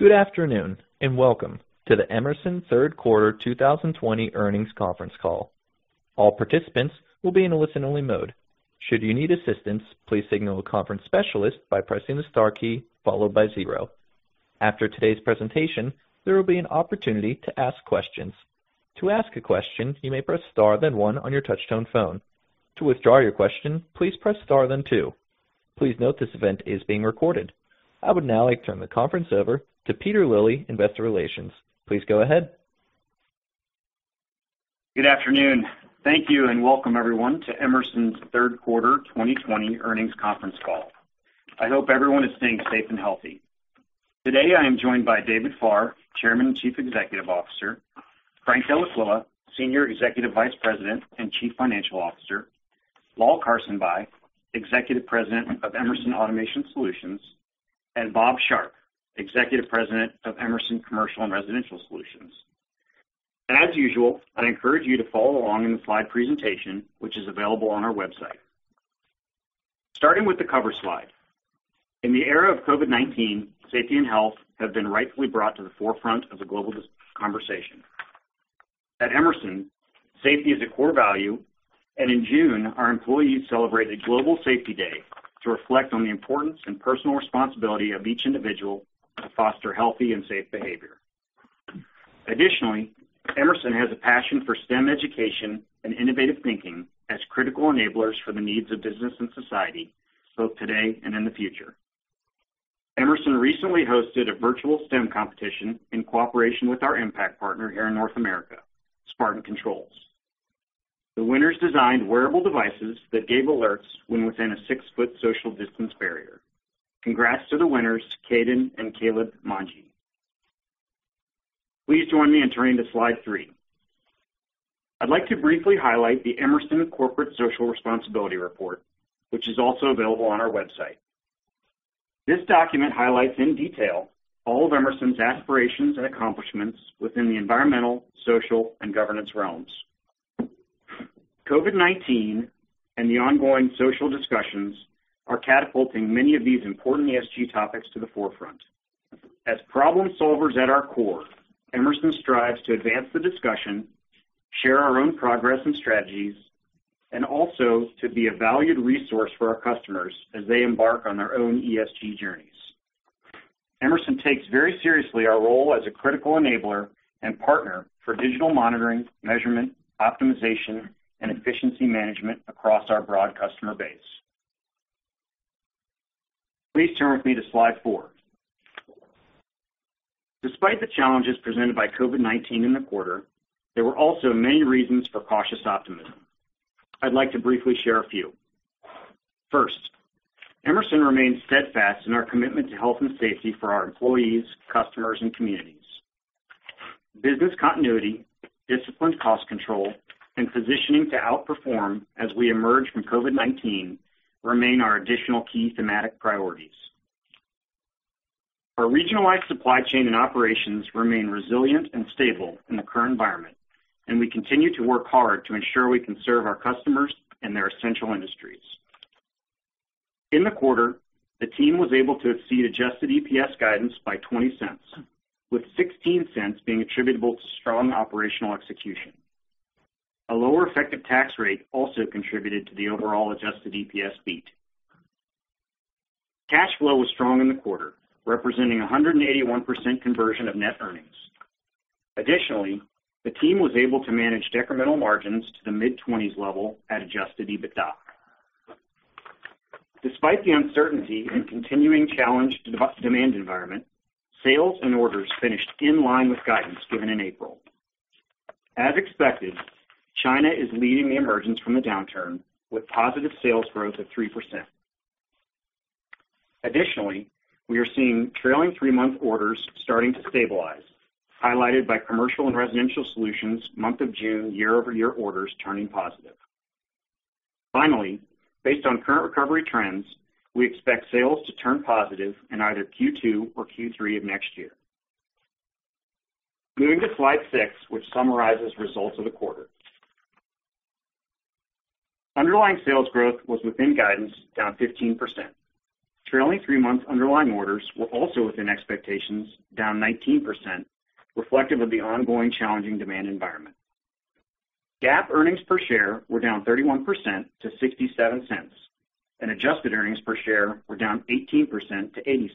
Good afternoon, and welcome to the Emerson third quarter 2020 earnings conference call. All participants will be in a listen-only mode. Should you need assistance, please signal a conference specialist by pressing the star key followed by zero. After today's presentation, there will be an opportunity to ask questions. To ask a question, you may press star then one on your touchtone phone. To withdraw your question, please press star then two. Please note this event is being recorded. I would now like to turn the conference over to Pete Lilley, Investor Relations. Please go ahead. Good afternoon. Thank you, and welcome everyone to Emerson's third quarter 2020 earnings conference call. I hope everyone is staying safe and healthy. Today, I am joined by Dave Farr, Chairman and Chief Executive Officer, Frank Dellaquila, Senior Executive Vice President and Chief Financial Officer, Lal Karsanbhai, Executive President of Emerson Automation Solutions, and Bob Sharp, Executive President of Emerson Commercial & Residential Solutions. As usual, I'd encourage you to follow along in the slide presentation, which is available on our website. Starting with the cover slide. In the era of COVID-19, safety and health have been rightfully brought to the forefront of the global conversation. At Emerson, safety is a core value, and in June, our employees celebrated Global Safety Day to reflect on the importance and personal responsibility of each individual to foster healthy and safe behavior. Additionally, Emerson has a passion for STEM education and innovative thinking as critical enablers for the needs of business and society, both today and in the future. Emerson recently hosted a virtual STEM competition in cooperation with our impact partner here in North America, Spartan Controls. The winners designed wearable devices that gave alerts when within a 6 ft social distance barrier. Congrats to the winners, Caden and Caleb Monge. Please join me in turning to slide three. I'd like to briefly highlight the Emerson Corporate Social Responsibility Report, which is also available on our website. This document highlights in detail all of Emerson's aspirations and accomplishments within the environmental, social, and governance realms. COVID-19 and the ongoing social discussions are catapulting many of these important ESG topics to the forefront. As problem-solvers at our core, Emerson strives to advance the discussion, share our own progress and strategies, and also to be a valued resource for our customers as they embark on their own ESG journeys. Emerson takes very seriously our role as a critical enabler and partner for digital monitoring, measurement, optimization, and efficiency management across our broad customer base. Please turn with me to slide four. Despite the challenges presented by COVID-19 in the quarter, there were also many reasons for cautious optimism. I'd like to briefly share a few. First, Emerson remains steadfast in our commitment to health and safety for our employees, customers, and communities. Business continuity, disciplined cost control, and positioning to outperform as we emerge from COVID-19 remain our additional key thematic priorities. Our regionalized supply chain and operations remain resilient and stable in the current environment, and we continue to work hard to ensure we can serve our customers and their essential industries. In the quarter, the team was able to exceed adjusted EPS guidance by $0.20, with $0.16 being attributable to strong operational execution. A lower effective tax rate also contributed to the overall adjusted EPS beat. Cash flow was strong in the quarter, representing 181% conversion of net earnings. Additionally, the team was able to manage decremental margins to the mid-twenties level at adjusted EBITDA. Despite the uncertainty and continuing challenge to demand environment, sales and orders finished in line with guidance given in April. As expected, China is leading the emergence from the downturn with positive sales growth of 3%. Additionally, we are seeing trailing three-month orders starting to stabilize, highlighted by Commercial and Residential Solutions month of June year-over-year orders turning positive. Finally, based on current recovery trends, we expect sales to turn positive in either Q2 or Q3 of next year. Moving to slide six, which summarizes results of the quarter. Underlying sales growth was within guidance, down 15%. Trailing three-month underlying orders were also within expectations, down 19%, reflective of the ongoing challenging demand environment. GAAP earnings per share were down 31% to $0.67, and adjusted earnings per share were down 18% to $0.80,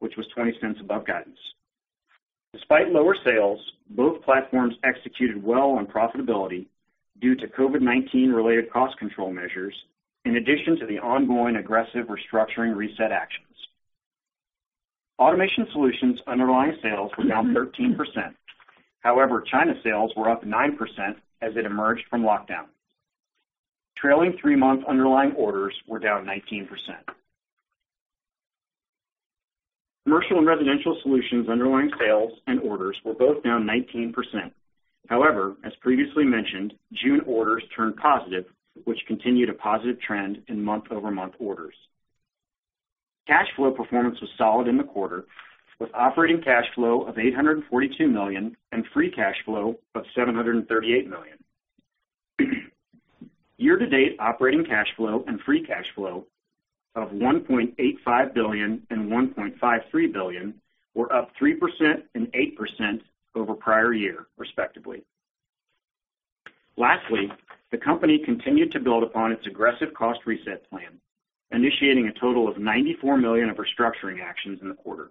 which was $0.20 above guidance. Despite lower sales, both platforms executed well on profitability due to COVID-19 related cost control measures, in addition to the ongoing aggressive restructuring reset actions. Automation Solutions underlying sales were down 13%. However, China sales were up 9% as it emerged from lockdown. Trailing three-month underlying orders were down 19%. Commercial and Residential Solutions underlying sales and orders were both down 19%. However, as previously mentioned, June orders turned positive, which continued a positive trend in month-over-month orders. Cash flow performance was solid in the quarter, with operating cash flow of $842 million and free cash flow of $738 million. Year-to-date operating cash flow and free cash flow of $1.85 billion and $1.53 billion were up 3% and 8% over prior year, respectively. Lastly, the company continued to build upon its aggressive cost reset plan, initiating a total of $94 million of restructuring actions in the quarter.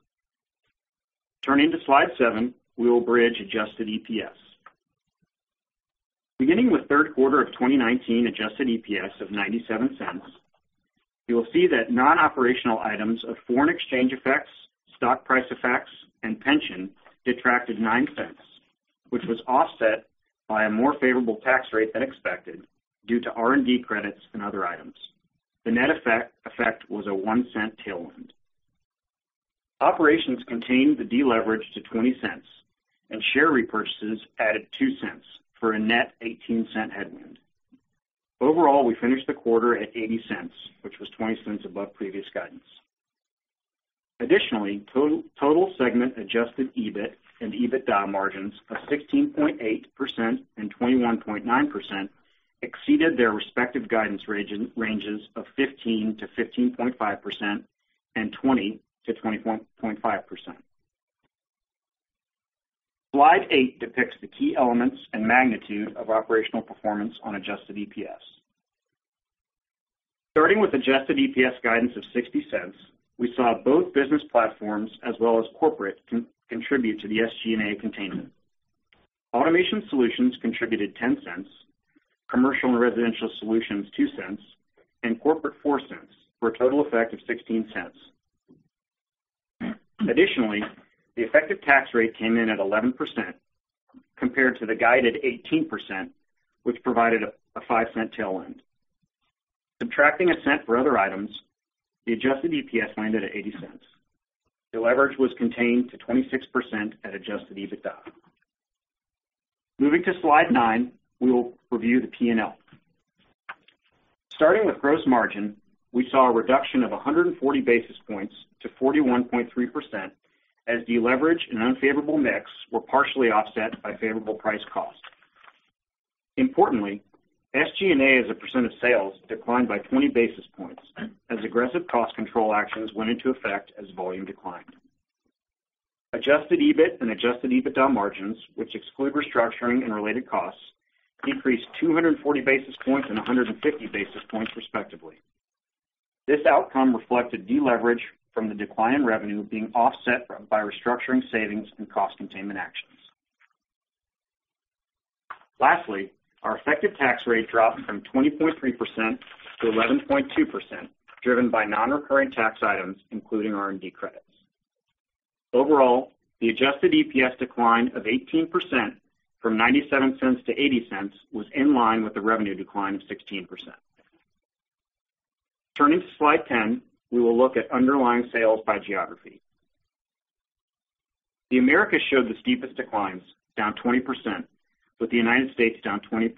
Turning to slide seven, we will bridge adjusted EPS. Beginning with third quarter of 2019 adjusted EPS of $0.97, you will see that non-operational items of foreign exchange effects, stock price effects, and pension detracted $0.09, which was offset by a more favorable tax rate than expected due to R&D credits and other items. The net effect was a $0.01 tailwind. Operations contained the deleverage to $0.20, and share repurchases added $0.02 for a net $0.18 headwind. Overall, we finished the quarter at $0.80, which was $0.20 above previous guidance. Additionally, total segment adjusted EBIT and EBITDA margins of 16.8% and 21.9% exceeded their respective guidance ranges of 15%-15.5% and 20%-21.5%. Slide eight depicts the key elements and magnitude of operational performance on adjusted EPS. Starting with adjusted EPS guidance of $0.60, we saw both business platforms as well as corporate contribute to the SG&A containment. Automation Solutions contributed $0.10, Commercial & Residential Solutions $0.02, and corporate $0.04, for a total effect of $0.16. The effective tax rate came in at 11% compared to the guided 18%, which provided a $0.05 tailwind. Subtracting $0.01 for other items, the adjusted EPS landed at $0.80. Deleverage was contained to 26% at adjusted EBITDA. Moving to slide nine, we will review the P&L. Starting with gross margin, we saw a reduction of 140 basis points to 41.3% as deleverage and unfavorable mix were partially offset by favorable price cost. SG&A as a percent of sales declined by 20 basis points as aggressive cost control actions went into effect as volume declined. Adjusted EBIT and adjusted EBITDA margins, which exclude restructuring and related costs, decreased 240 basis points and 150 basis points respectively. This outcome reflected deleverage from the decline in revenue being offset by restructuring savings and cost containment actions. Lastly, our effective tax rate dropped from 20.3%-11.2%, driven by non-recurring tax items, including R&D credits. Overall, the adjusted EPS decline of 18%, from $0.97-$0.80, was in line with the revenue decline of 16%. Turning to slide 10, we will look at underlying sales by geography. The Americas showed the steepest declines, down 20%, with the United States down 20%,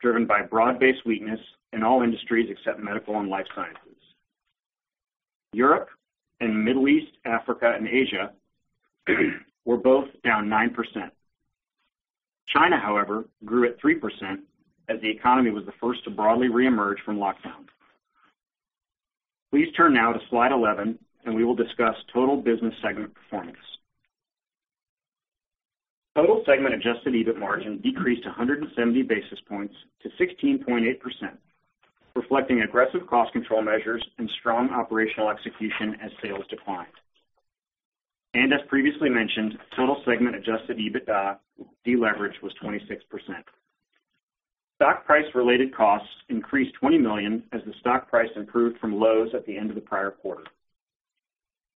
driven by broad-based weakness in all industries except medical and life sciences. Europe and Middle East, Africa, and Asia were both down 9%. China, however, grew at 3% as the economy was the first to broadly reemerge from lockdowns. Please turn now to slide 11, and we will discuss total business segment performance. Total segment adjusted EBIT margin decreased 170 basis points to 16.8%, reflecting aggressive cost control measures and strong operational execution as sales declined. As previously mentioned, total segment adjusted EBITDA deleverage was 26%. Stock price-related costs increased $20 million as the stock price improved from lows at the end of the prior quarter.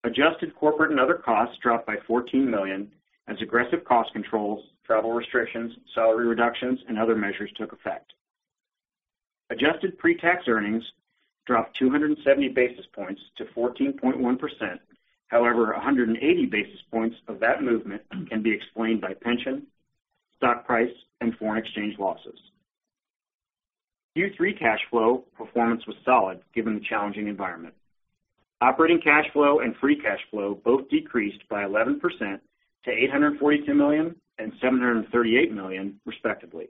Adjusted corporate and other costs dropped by $14 million as aggressive cost controls, travel restrictions, salary reductions, and other measures took effect. Adjusted pre-tax earnings dropped 270 basis points to 14.1%. However, 180 basis points of that movement can be explained by pension, stock price, and foreign exchange losses. Q3 cash flow performance was solid given the challenging environment. Operating cash flow and free cash flow both decreased by 11% to $842 million and $738 million, respectively.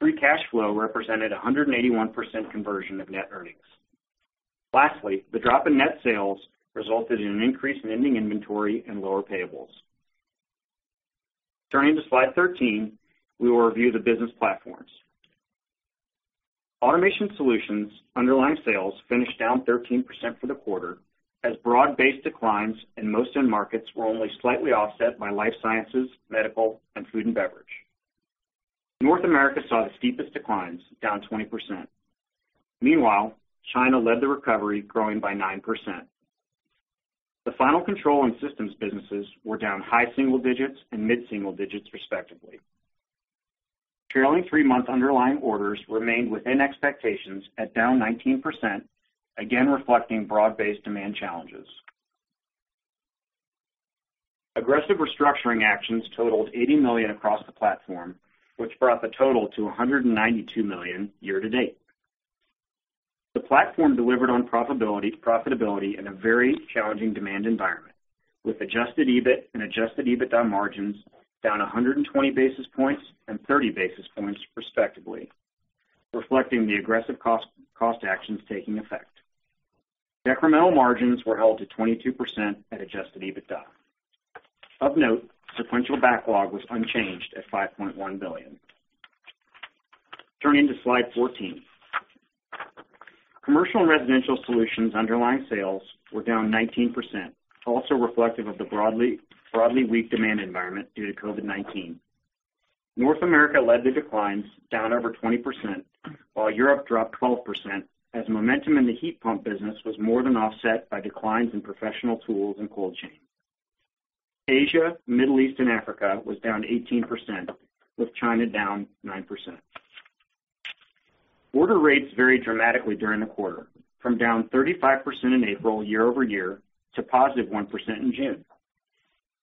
Free cash flow represented 181% conversion of net earnings. Lastly, the drop in net sales resulted in an increase in ending inventory and lower payables. Turning to slide 13, we will review the business platforms. Automation Solutions underlying sales finished down 13% for the quarter as broad-based declines in most end markets were only slightly offset by life sciences, medical, and food and beverage. North America saw the steepest declines, down 20%. Meanwhile, China led the recovery, growing by 9%. The final control and systems businesses were down high single digits and mid-single digits respectively. Trailing three-month underlying orders remained within expectations at down 19%, again reflecting broad-based demand challenges. Aggressive restructuring actions totaled $80 million across the platform, which brought the total to $192 million year to date. The platform delivered on profitability in a very challenging demand environment, with adjusted EBIT and adjusted EBITDA margins down 120 basis points and 30 basis points respectively, reflecting the aggressive cost actions taking effect. Incremental margins were held to 22% at adjusted EBITDA. Of note, sequential backlog was unchanged at $5.1 billion. Turning to Slide 14. Commercial & Residential Solutions underlying sales were down 19%, also reflective of the broadly weak demand environment due to COVID-19. North America led the declines, down over 20%, while Europe dropped 12% as momentum in the heat pump business was more than offset by declines in Professional Tools and cold chain. Asia, Middle East and Africa was down 18%, with China down 9%. Order rates varied dramatically during the quarter, from down 35% in April year-over-year to positive 1% in June.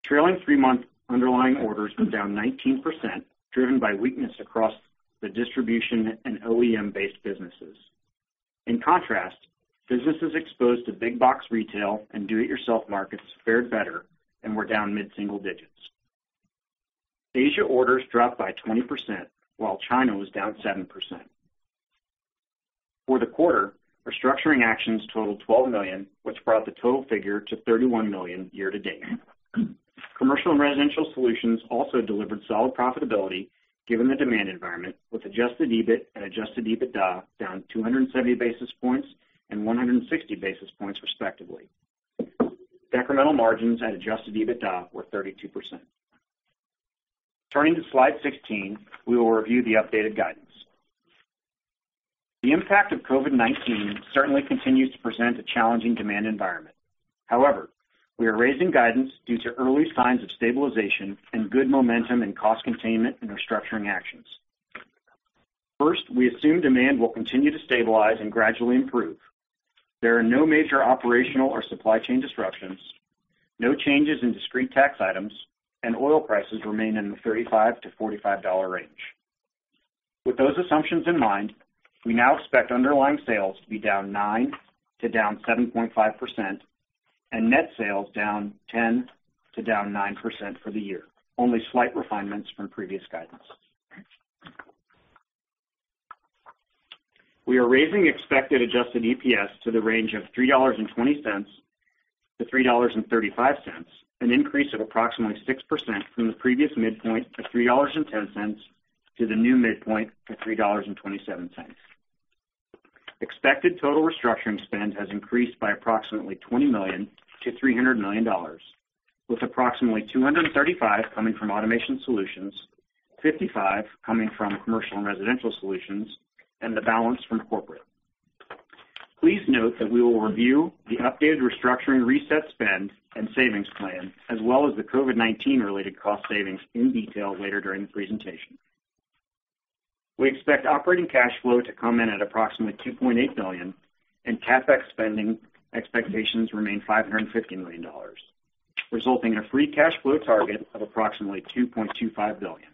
Trailing three-month underlying orders were down 19%, driven by weakness across the distribution and OEM-based businesses. In contrast, businesses exposed to big box retail and do-it-yourself markets fared better and were down mid-single digits. Asia orders dropped by 20%, while China was down 7%. For the quarter, restructuring actions totaled $12 million, which brought the total figure to $31 million year-to-date. Commercial & Residential Solutions also delivered solid profitability given the demand environment, with adjusted EBIT and adjusted EBITDA down 270 basis points and 160 basis points respectively. Incremental margins at adjusted EBITDA were 32%. Turning to Slide 16, we will review the updated guidance. The impact of COVID-19 certainly continues to present a challenging demand environment. However, we are raising guidance due to early signs of stabilization and good momentum in cost containment and restructuring actions. First, we assume demand will continue to stabilize and gradually improve. There are no major operational or supply chain disruptions, no changes in discrete tax items, and oil prices remain in the $35-$45 range. With those assumptions in mind, we now expect underlying sales to be down 9%-7.5%, and net sales down 10%-9% for the year. Only slight refinements from previous guidance. We are raising expected adjusted EPS to the range of $3.20-$3.35, an increase of approximately 6% from the previous midpoint of $3.10 to the new midpoint to $3.27. Expected total restructuring spend has increased by approximately $20 million-$300 million, with approximately $235 million coming from Emerson Automation Solutions, $55 million coming from Emerson Commercial & Residential Solutions, and the balance from corporate. Please note that we will review the updated restructuring reset spend and savings plan, as well as the COVID-19 related cost savings in detail later during the presentation. We expect operating cash flow to come in at approximately $2.8 billion, and CapEx spending expectations remain $550 million, resulting in a free cash flow target of approximately $2.25 billion.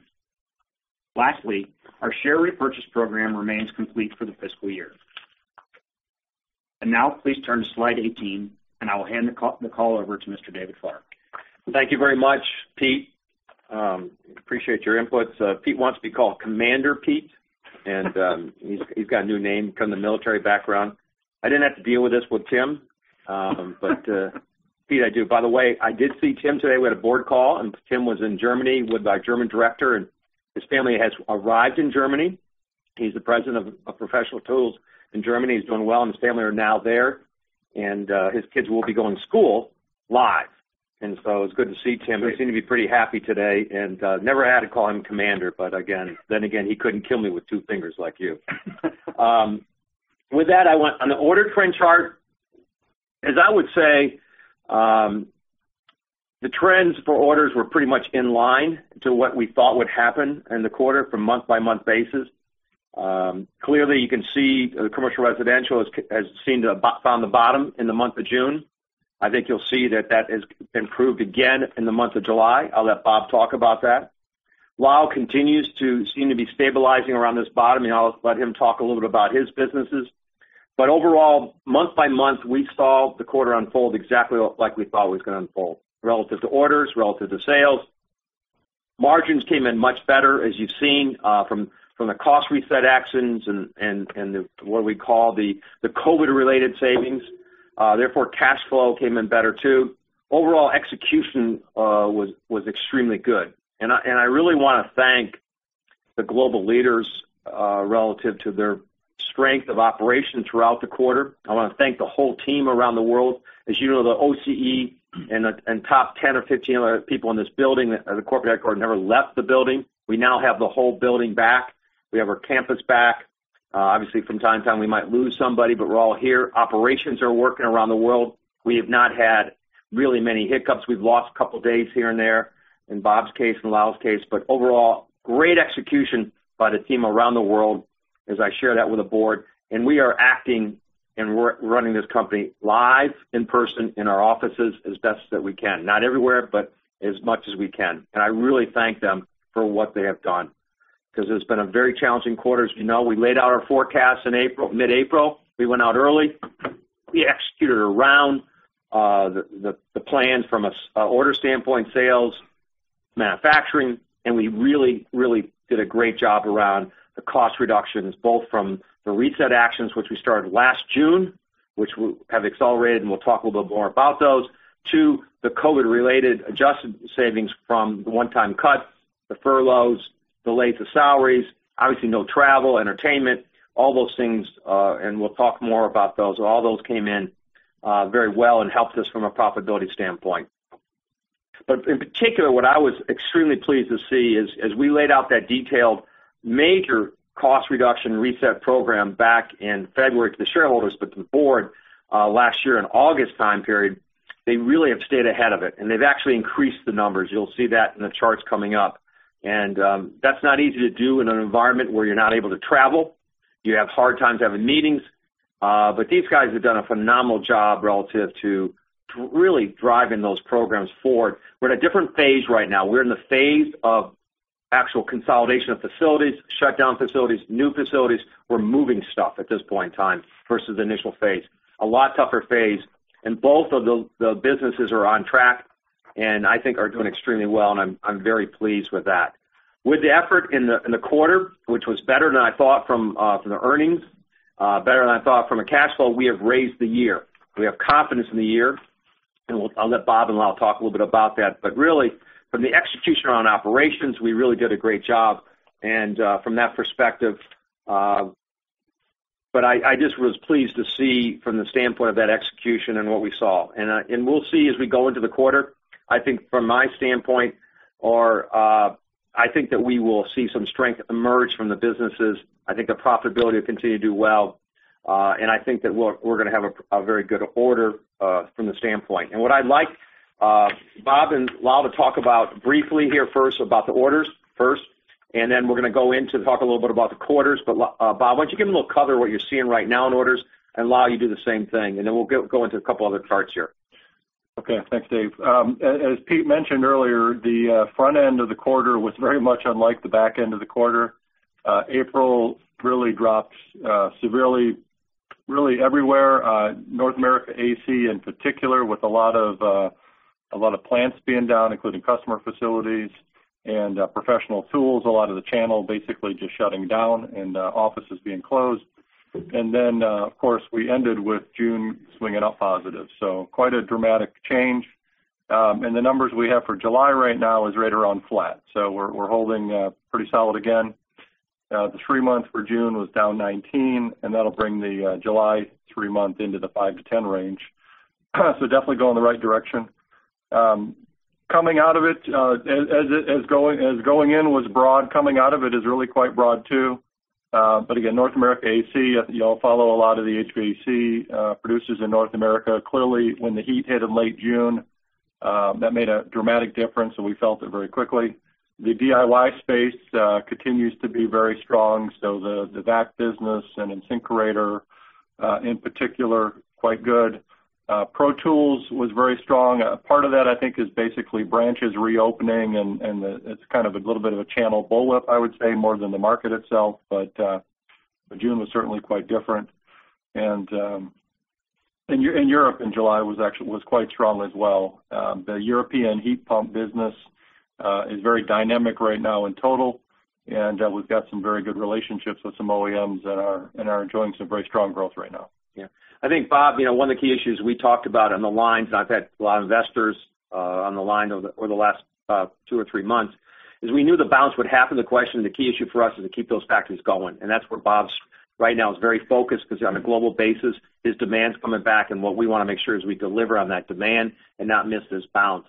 Lastly, our share repurchase program remains complete for the fiscal year. Now please turn to Slide 18, and I will hand the call over to Mr. Dave Farr. Thank you very much, Pete. Appreciate your inputs. Pete wants to be called Commander Pete. He's got a new name from the military background. I didn't have to deal with this with Tim, Pete I do. By the way, I did see Tim today. We had a board call. Tim was in Germany with our German director, his family has arrived in Germany. He's the president of Professional Tools in Germany. He's doing well, his family are now there, his kids will be going to school live. It was good to see Tim. He seemed to be pretty happy today, never had to call him Commander, he couldn't kill me with two fingers like you. On the order trend chart, as I would say, the trends for orders were pretty much in line to what we thought would happen in the quarter from month-by-month basis. You can see the Commercial Residential has seemed to have found the bottom in the month of June. I think you'll see that that has improved again in the month of July. I'll let Bob talk about that. Lal continues to seem to be stabilizing around this bottom, and I'll let him talk a little bit about his businesses. Overall, month-by-month, we saw the quarter unfold exactly like we thought it was going to unfold relative to orders, relative to sales. Margins came in much better, as you've seen, from the cost reset actions and what we call the COVID-related savings. Cash flow came in better, too. Overall execution was extremely good, and I really want to thank the global leaders relative to their strength of operation throughout the quarter. I want to thank the whole team around the world. As you know, the OCE and top 10 or 15 other people in this building, the corporate headquarter, never left the building. We now have the whole building back. We have our campus back. Obviously, from time to time, we might lose somebody, but we're all here. Operations are working around the world. We have not had really many hiccups. We've lost a couple of days here and there in Bob's case and Lal's case. Overall, great execution by the team around the world as I share that with the board. We are acting and running this company live, in person, in our offices as best as we can. Not everywhere, but as much as we can. I really thank them for what they have done. Because it's been a very challenging quarter. As you know, we laid out our forecast in mid-April. We went out early. We executed around the plan from an order standpoint, sales, manufacturing, and we really did a great job around the cost reductions, both from the reset actions, which we started last June, which have accelerated, and we'll talk a little bit more about those, to the COVID-related adjusted savings from the one-time cut, the furloughs, delays of salaries, obviously no travel, entertainment, all those things, and we'll talk more about those. All those came in very well and helped us from a profitability standpoint. In particular, what I was extremely pleased to see is, as we laid out that detailed major cost reduction reset program back in February to the shareholders, but the board, last year in August time period, they really have stayed ahead of it, and they've actually increased the numbers. You'll see that in the charts coming up. That's not easy to do in an environment where you're not able to travel. You have hard times having meetings. These guys have done a phenomenal job relative to really driving those programs forward. We're in a different phase right now. We're in the phase of actual consolidation of facilities, shutdown facilities, new facilities. We're moving stuff at this point in time versus the initial phase. A lot tougher phase. Both of the businesses are on track, and I think are doing extremely well, and I'm very pleased with that. With the effort in the quarter, which was better than I thought from the earnings, better than I thought from a cash flow, we have raised the year. We have confidence in the year, and I'll let Bob and Lal talk a little bit about that. Really, from the execution around operations, we really did a great job, and from that perspective I just was pleased to see from the standpoint of that execution and what we saw. We'll see as we go into the quarter. I think from my standpoint, that we will see some strength emerge from the businesses. I think the profitability will continue to do well. I think that we're going to have a very good order from the standpoint. What I'd like Bob and Lal to talk about briefly here first, about the orders first, and then we're going to go in to talk a little bit about the quarters. Bob, why don't you give a little color what you're seeing right now in orders, and Lal, you do the same thing, and then we'll go into a couple other charts here. Okay. Thanks, Dave. As Pete mentioned earlier, the front end of the quarter was very much unlike the back end of the quarter. April really dropped severely, really everywhere. North America AC in particular, with a lot of plants being down, including customer facilities and Professional Tools. A lot of the channel basically just shutting down and offices being closed. Of course, we ended with June swinging up positive. Quite a dramatic change. The numbers we have for July right now is right around flat. We're holding pretty solid again. The three months for June was down 19, and that'll bring the July three month into the five to 10 range. Definitely going in the right direction. Coming out of it, as going in was broad, coming out of it is really quite broad, too. Again, North America AC, if you all follow a lot of the HVAC producers in North America, clearly when the heat hit in late June, that made a dramatic difference, and we felt it very quickly. The DIY space continues to be very strong, the vac business and InSinkErator, in particular, quite good. Pro Tools was very strong. Part of that, I think is basically branches reopening, and it's kind of a little bit of a channel bullwhip, I would say, more than the market itself. June was certainly quite different. Europe in July was quite strong as well. The European heat pump business is very dynamic right now in total, and we've got some very good relationships with some OEMs and are enjoying some very strong growth right now. Yeah. I think, Bob, one of the key issues we talked about on the lines, and I've had a lot of investors on the line over the last two or three months, is we knew the bounce would happen. The question and the key issue for us is to keep those factories going. That's where Bob right now is very focused because on a global basis, his demand's coming back, and what we want to make sure is we deliver on that demand and not miss this bounce.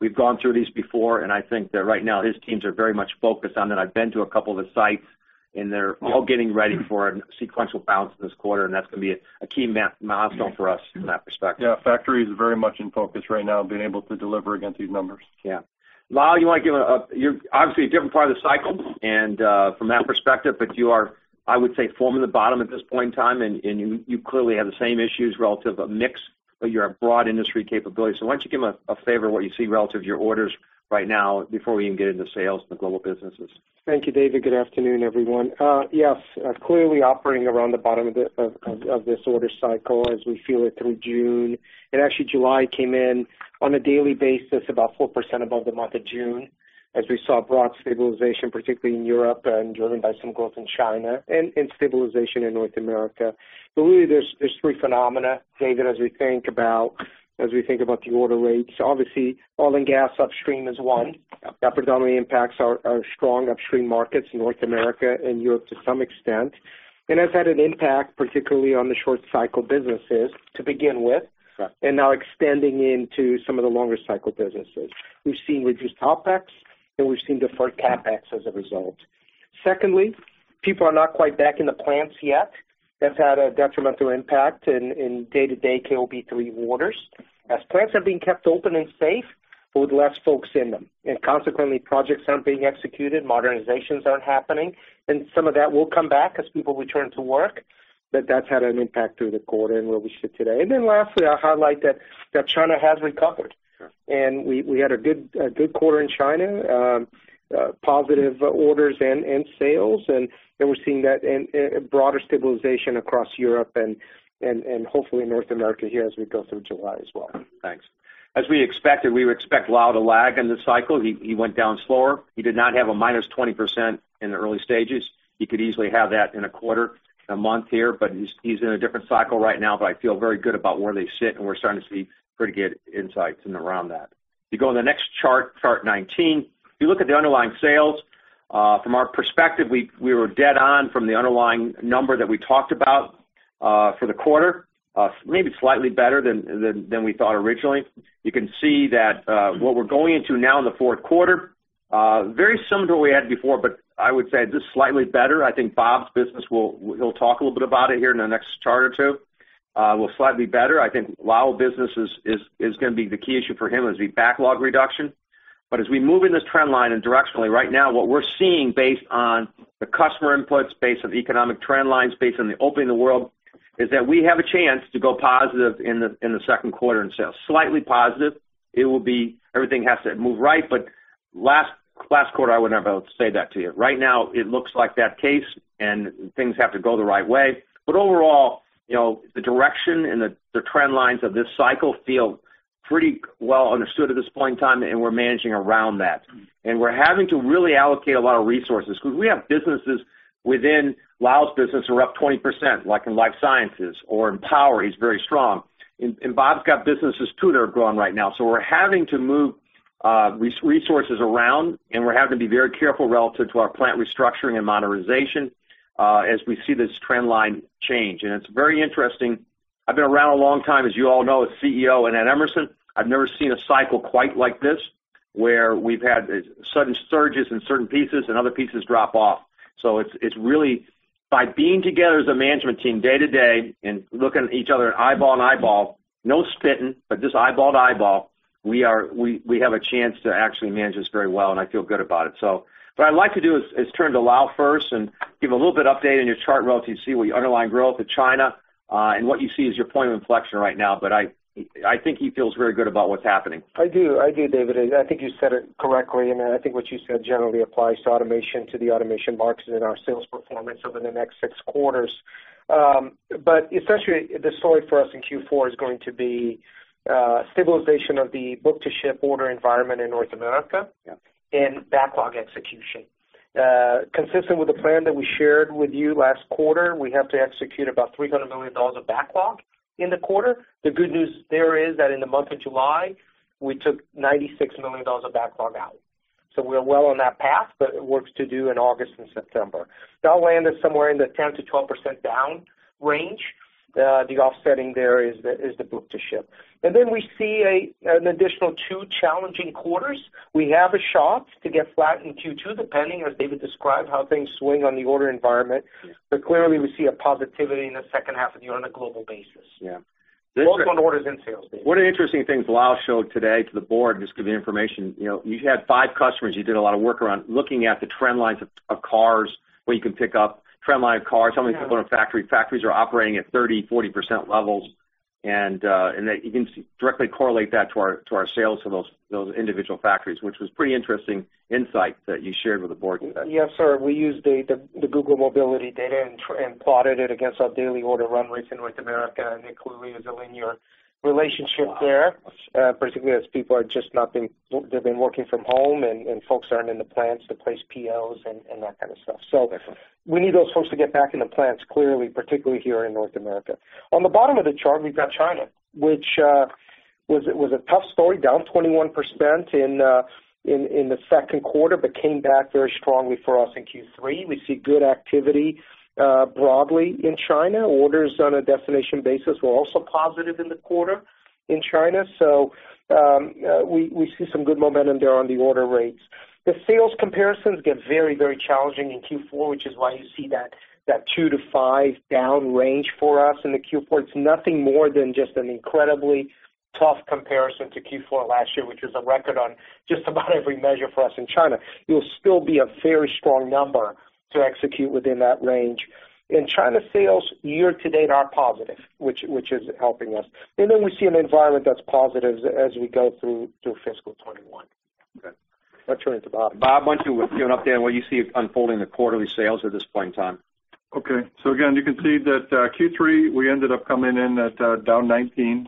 We've gone through these before, and I think that right now his teams are very much focused on that. I've been to a couple of the sites, and they're all getting ready for a sequential bounce this quarter, and that's going to be a key milestone for us in that respect. Yeah. Factory is very much in focus right now, being able to deliver against these numbers. Yeah. Lal, You're obviously a different part of the cycle and from that perspective, but you are, I would say, forming the bottom at this point in time, and you clearly have the same issues relative of mix, but you're a broad industry capability. Why don't you give a flavor of what you see relative to your orders right now before we even get into sales and the global businesses? Thank you, Dave. Good afternoon, everyone. Yes. Actually July came in on a daily basis about 4% above the month of June, as we saw broad stabilization, particularly in Europe and driven by some growth in China and stabilization in North America. Really, there's three phenomena, Dave, as we think about the order rates. Obviously, oil and gas upstream is one. That predominantly impacts our strong upstream markets in North America and Europe to some extent. Has had an impact, particularly on the short cycle businesses to begin with. Right. Now extending into some of the longer cycle businesses. We've seen reduced CapEx, and we've seen deferred CapEx as a result. Secondly, people are not quite back in the plants yet. That's had a detrimental impact in day-to-day KOB3 orders. As plants have been kept open and safe with less folks in them, and consequently, projects aren't being executed, modernizations aren't happening. Some of that will come back as people return to work. That's had an impact through the quarter and where we sit today. Lastly, I'll highlight that China has recovered. Sure. We had a good quarter in China, positive orders and sales, and we're seeing that broader stabilization across Europe and hopefully North America here as we go through July as well. Thanks. As we expected, we would expect Lal to lag in this cycle. He went down slower. He did not have a minus 20% in the early stages. He could easily have that in a quarter, a month here, but he's in a different cycle right now. I feel very good about where they sit, and we're starting to see pretty good insights in around that. If you go on the next chart, Chart 19. If you look at the underlying sales, from our perspective, we were dead on from the underlying number that we talked about for the quarter, maybe slightly better than we thought originally. You can see that what we're going into now in the fourth quarter, very similar to what we had before, but I would say just slightly better. I think Bob's business, he'll talk a little bit about it here in the next chart or two, will slightly better. I think Lal business is going to be the key issue for him is the backlog reduction. As we move in this trend line and directionally right now, what we're seeing based on the customer inputs, based on economic trend lines, based on the opening of the world, is that we have a chance to go positive in the second quarter in sales. Slightly positive. Everything has to move right, last quarter, I would never be able to say that to you. Right now it looks like that case, things have to go the right way. Overall, the direction and the trend lines of this cycle feel pretty well understood at this point in time, we're managing around that. We're having to really allocate a lot of resources because we have businesses within Lal's business who are up 20%, like in life sciences or in power, he's very strong. Bob's got businesses, too, that are growing right now. We're having to move resources around, and we're having to be very careful relative to our plant restructuring and modernization, as we see this trend line change. It's very interesting. I've been around a long time, as you all know, as CEO and at Emerson. I've never seen a cycle quite like this, where we've had sudden surges in certain pieces and other pieces drop off. It's really by being together as a management team day to day and looking at each other eyeball to eyeball, no spitting, but just eyeball to eyeball, we have a chance to actually manage this very well, and I feel good about it. What I'd like to do is turn to Lal first and give a little bit of update on your chart relative to see what your underlying growth in China, and what you see as your point of inflection right now. I think he feels very good about what's happening. I do, Dave. I think you said it correctly, and I think what you said generally applies to automation, to the automation market, and our sales performance over the next six quarters. Essentially, the story for us in Q4 is going to be stabilization of the book-to-ship order environment in North America. Yeah Backlog execution. Consistent with the plan that we shared with you last quarter, we have to execute about $300 million of backlog in the quarter. The good news there is that in the month of July, we took $96 million of backlog out. We're well on that path, but it works to do in August and September. That'll land us somewhere in the 10%-12% down range. The offsetting there is the book-to-ship. We see an additional two challenging quarters. We have a shot to get flat in Q2, depending, as Dave described, how things swing on the order environment. Yeah. Clearly, we see a positivity in the second half of the year on a global basis. Yeah. Work on orders and sales, Dave. One of the interesting things Lal showed today to the board, just to give you information. You had five customers you did a lot of work around looking at the trend lines of cars, where you can pick up trend line of cars, how many people in a factory. Factories are operating at 30%, 40% levels. That you can directly correlate that to our sales to those individual factories, which was pretty interesting insight that you shared with the board today. Yes, sir. We used the Google mobility data and plotted it against our daily order run rates in North America. There clearly is a linear relationship there. Wow. Particularly as people are just They've been working from home, and folks aren't in the plants to place POs and that kind of stuff. We need those folks to get back in the plants, clearly, particularly here in North America. On the bottom of the chart, we've got China, which was a tough story, down 21% in the second quarter, but came back very strongly for us in Q3. We see good activity broadly in China. Orders on a definition basis were also positive in the quarter in China. We see some good momentum there on the order rates. The sales comparisons get very challenging in Q4, which is why you see that 2%-5% down range for us in the Q4. It's nothing more than just an incredibly tough comparison to Q4 last year, which was a record on just about every measure for us in China. It will still be a very strong number to execute within that range. In China, sales year to date are positive, which is helping us. We see an environment that's positive as we go through fiscal 2021. Okay. I'll turn it to Bob. Bob, why don't you give an update on what you see unfolding in the quarterly sales at this point in time? Okay. Again, you can see that Q3, we ended up coming in at down 19%.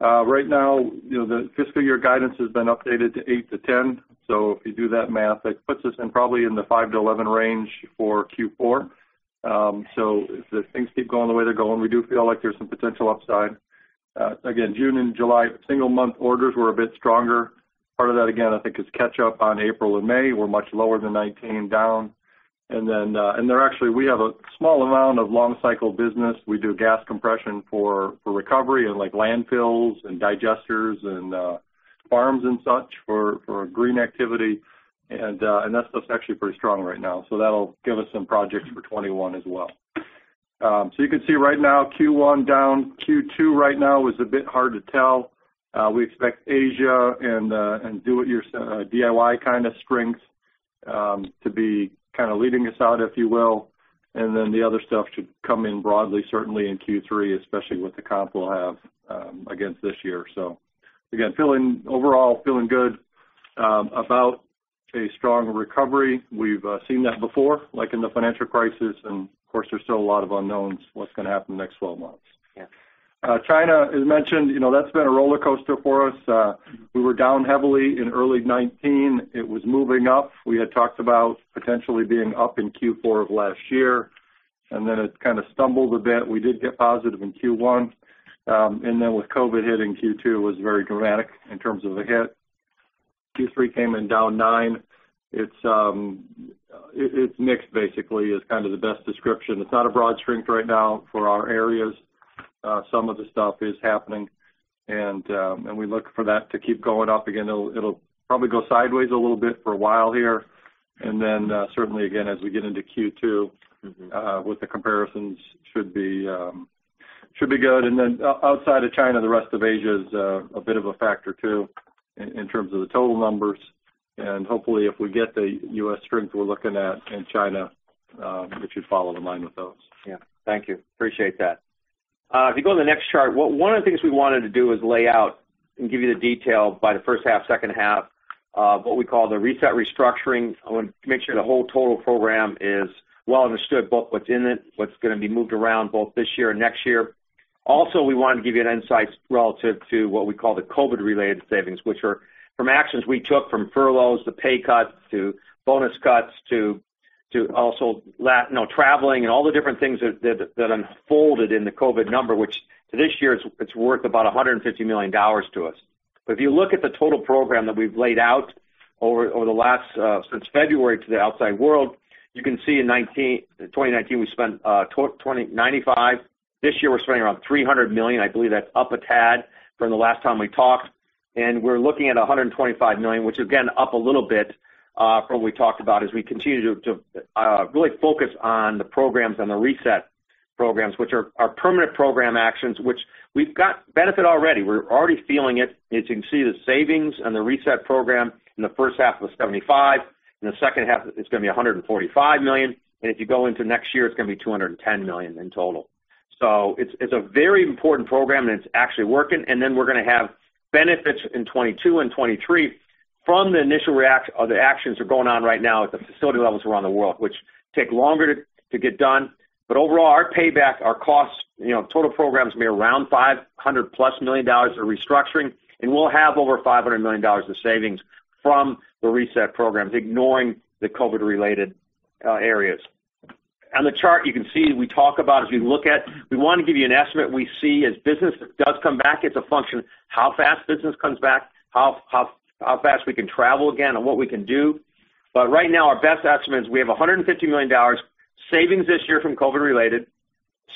Right now, the fiscal year guidance has been updated to 8%-10%. If you do that math, that puts us in probably in the 5%-11% range for Q4. If things keep going the way they're going, we do feel like there's some potential upside. Again, June and July single month orders were a bit stronger. Part of that, again, I think is catch up on April and May, were much lower than 2019, down. There actually, we have a small amount of long cycle business. We do gas compression for recovery in landfills and digesters and farms and such for green activity. That stuff's actually pretty strong right now. That'll give us some projects for 2021 as well. You can see right now, Q1 down. Q2 right now is a bit hard to tell. We expect Asia and DIY kind of strength to be kind of leading us out, if you will, and then the other stuff should come in broadly, certainly in Q3, especially with the comp we'll have against this year. Again, overall, feeling good about a strong recovery. We've seen that before, like in the financial crisis, and of course, there's still a lot of unknowns what's going to happen in the next 12 months. Yeah. China, as mentioned, that's been a roller coaster for us. We were down heavily in early 2019. It was moving up. We had talked about potentially being up in Q4 of last year, and then it kind of stumbled a bit. We did get positive in Q1, and then with COVID-19 hitting Q2, it was very dramatic in terms of the hit. Q3 came in down nine. It's mixed, basically, is kind of the best description. It's not a broad strength right now for our areas. Some of the stuff is happening, and we look for that to keep going up again. It'll probably go sideways a little bit for a while here, and then certainly, again, as we get into Q2- with the comparisons, should be good. Outside of China, the rest of Asia is a bit of a factor, too, in terms of the total numbers. Hopefully, if we get the U.S. strength we're looking at in China, it should follow the line with those. Yeah. Thank you. Appreciate that. If you go to the next chart, one of the things we wanted to do is lay out and give you the detail by the first half, second half of what we call the reset restructuring. I want to make sure the whole total program is well understood, both what's in it, what's going to be moved around both this year and next year. Also, we wanted to give you an insight relative to what we call the COVID-related savings, which are from actions we took, from furloughs to pay cuts to bonus cuts to also traveling and all the different things that unfolded in the COVID number, which for this year, it's worth about $150 million to us. If you look at the total program that we've laid out over the last, since February to the outside world, you can see in 2019, we spent $95 million. This year, we're spending around $300 million. I believe that's up a tad from the last time we talked. We're looking at $125 million, which again, up a little bit from what we talked about as we continue to really focus on the programs and the reset programs, which are our permanent program actions, which we've got benefit already. We're already feeling it. As you can see, the savings on the reset program in the first half was $75 million, in the second half, it's going to be $145 million, and if you go into next year, it's going to be $210 million in total. It's a very important program, and it's actually working, and then we're going to have benefits in 2022 and 2023 from the initial actions are going on right now at the facility levels around the world, which take longer to get done. Overall, our payback, our costs, total program's maybe around $500 million+ of restructuring, and we'll have over $500 million of savings from the reset programs, ignoring the COVID-related areas. On the chart, you can see, we talk about, as we look at, we want to give you an estimate. We see as business does come back, it's a function of how fast business comes back, how fast we can travel again, and what we can do. Right now, our best estimate is we have $150 million savings this year from COVID-related,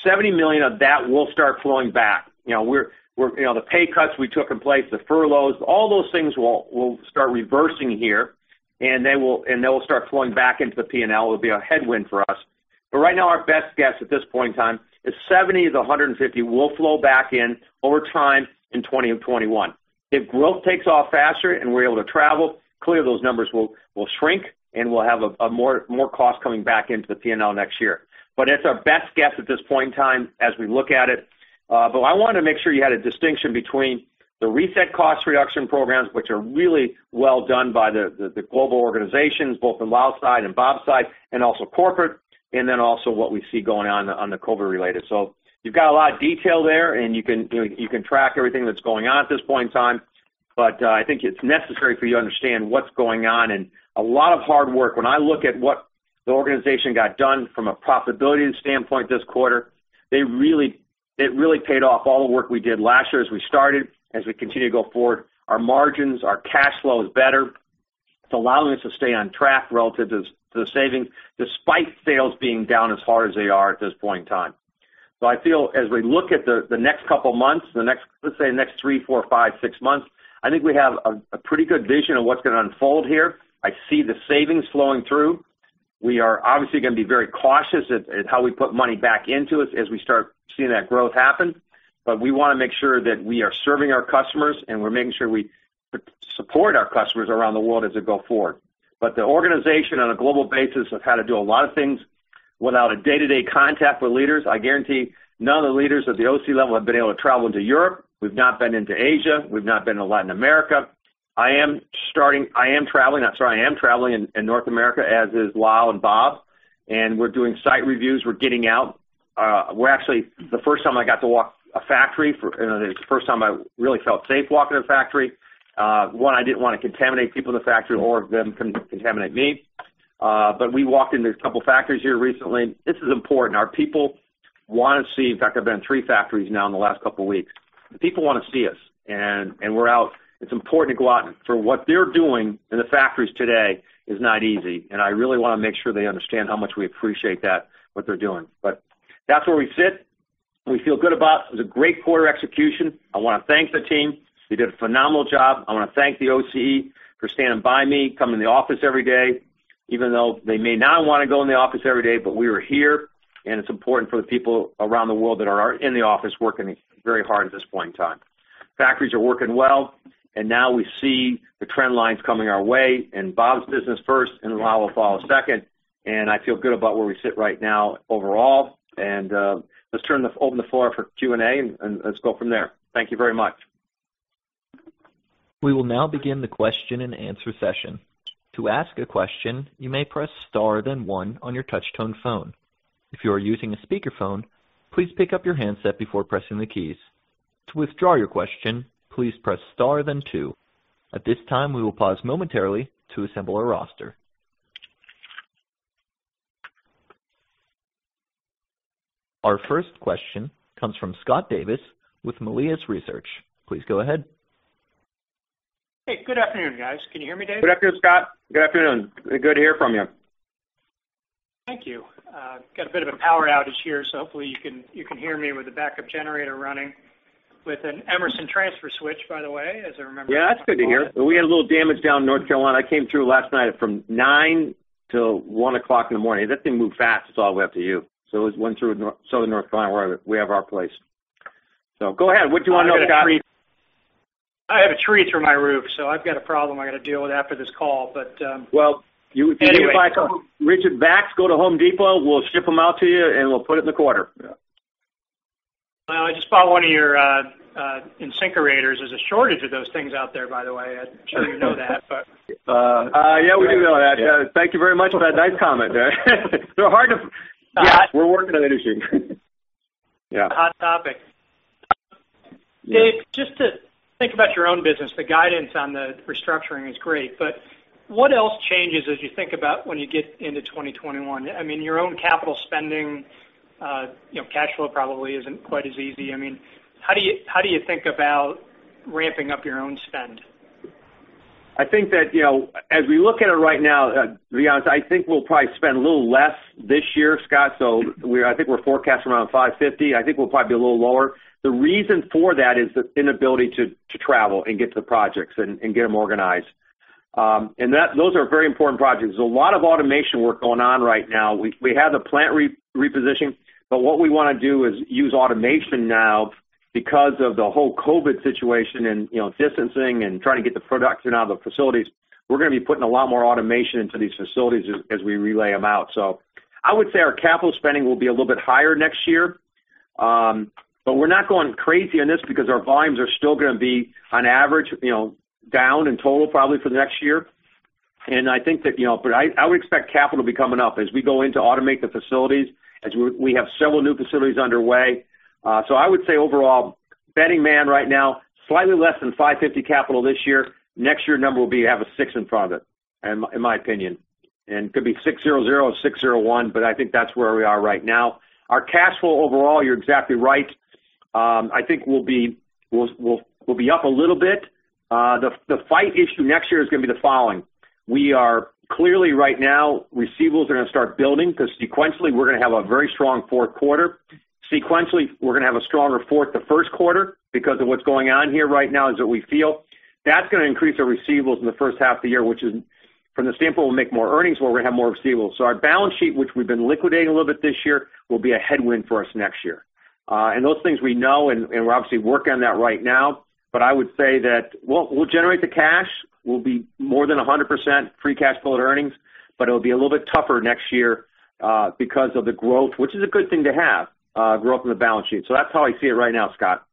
$70 million of that will start flowing back. The pay cuts we took in place, the furloughs, all those things will start reversing here, and they will start flowing back into the P&L. It will be a headwind for us. Right now, our best guess at this point in time is $70 million-$150 million will flow back in over time in 2020 and 2021. If growth takes off faster and we're able to travel, clearly those numbers will shrink, and we'll have more cost coming back into the P&L next year. It's our best guess at this point in time as we look at it. I wanted to make sure you had a distinction between the reset cost reduction programs, which are really well done by the global organizations, both the Lal side and Bob side, and also corporate, and then also what we see going on the COVID-related. You've got a lot of detail there, and you can track everything that's going on at this point in time, but I think it's necessary for you to understand what's going on and a lot of hard work. When I look at what the organization got done from a profitability standpoint this quarter, it really paid off, all the work we did last year as we started, as we continue to go forward. Our margins, our cash flow is better. It's allowing us to stay on track relative to the savings, despite sales being down as far as they are at this point in time. I feel as we look at the next couple of months, let's say the next three, four, five, six months, I think we have a pretty good vision of what's going to unfold here. I see the savings flowing through. We are obviously going to be very cautious at how we put money back into it as we start seeing that growth happen. We want to make sure that we are serving our customers, and we're making sure we support our customers around the world as we go forward. The organization on a global basis have had to do a lot of things without a day-to-day contact with leaders. I guarantee none of the leaders at the OCE level have been able to travel to Europe. We've not been into Asia. We've not been to Latin America. I am traveling in North America, as is Lal and Bob, and we're doing site reviews. We're getting out. The first time I got to walk a factory, the first time I really felt safe walking in a factory. One, I didn't want to contaminate people in the factory or them contaminate me. We walked into a couple factories here recently. This is important. Our people want to see. In fact, I've been in three factories now in the last couple of weeks. The people want to see us, and we're out. It's important to go out. What they're doing in the factories today is not easy, and I really want to make sure they understand how much we appreciate that, what they're doing. That's where we sit. We feel good about. It was a great quarter execution. I want to thank the team. They did a phenomenal job. I want to thank the OCE for standing by me, coming to the office every day, even though they may not want to go in the office every day. We are here, and it's important for the people around the world that are in the office working very hard at this point in time. Factories are working well. Now we see the trend lines coming our way. Bob's business first. Lal will follow second. I feel good about where we sit right now overall. Let's open the floor for Q&A, and let's go from there. Thank you very much. We will now begin the question and answer session. To ask a question, you may press star then one on your touch tone phone. If you are using a speakerphone, please pick up your handset before pressing the keys. To withdraw your question, please press star then two. At this time, we will pause momentarily to assemble a roster. Our first question comes from Scott Davis with Melius Research. Please go ahead. Hey, good afternoon, guys. Can you hear me, Dave? Good afternoon, Scott. Good afternoon. Good to hear from you. Thank you. Got a bit of a power outage here. Hopefully you can hear me with the backup generator running with an Emerson transfer switch, by the way, as I remember. Yeah, that's good to hear. We had a little damage down in North Carolina. I came through last night from nine till one o'clock in the morning. That thing moved fast. It's all the way up to you. It went through Southern North Carolina where we have our place. Go ahead. What'd you want to know, Scott? I have a tree through my roof, so I've got a problem I got to deal with after this call. Well, if you can find some RIDGID vacs, go to Home Depot. We'll ship them out to you, and we'll put it in the quarter. Well, I just bought one of your InSinkErators. There's a shortage of those things out there, by the way. I'm sure you know that. Yeah, we do know that. Thank you very much for that nice comment there. Yeah, we're working on it. Issue. Yeah. Hot topic. Yeah. Dave, just to think about your own business, the guidance on the restructuring is great, what else changes as you think about when you get into 2021? I mean, your own capital spending, cash flow probably isn't quite as easy. How do you think about ramping up your own spend? I think that as we look at it right now, to be honest, I think we'll probably spend a little less this year, Scott. I think we're forecasting around $550. I think we'll probably be a little lower. The reason for that is the inability to travel and get to the projects and get them organized. Those are very important projects. There's a lot of automation work going on right now. We have the plant reposition, what we want to do is use automation now because of the whole COVID situation and distancing and trying to get the production out of the facilities. We're going to be putting a lot more automation into these facilities as we relay them out. I would say our capital spending will be a little bit higher next year. We're not going crazy on this because our volumes are still going to be on average down in total probably for the next year. I would expect capital to be coming up as we go in to automate the facilities, as we have several new facilities underway. I would say overall, betting man right now, slightly less than $550 million capital this year. Next year number will have a 6 in front of it, in my opinion. Could be $600 million or $601 million, but I think that's where we are right now. Our cash flow overall, you're exactly right. I think we'll be up a little bit. The fight issue next year is going to be the following. We are clearly right now, receivables are going to start building because sequentially, we're going to have a very strong fourth quarter. Sequentially, we're going to have a stronger fourth than first quarter because of what's going on here right now is what we feel. That's going to increase our receivables in the first half of the year, which is from the standpoint, we'll make more earnings, but we're going to have more receivables. Our balance sheet, which we've been liquidating a little bit this year, will be a headwind for us next year. Those things we know, and we're obviously working on that right now. I would say that we'll generate the cash. We'll be more than 100% free cash flow at earnings, but it'll be a little bit tougher next year, because of the growth, which is a good thing to have, growth in the balance sheet. That's how I see it right now, Scott.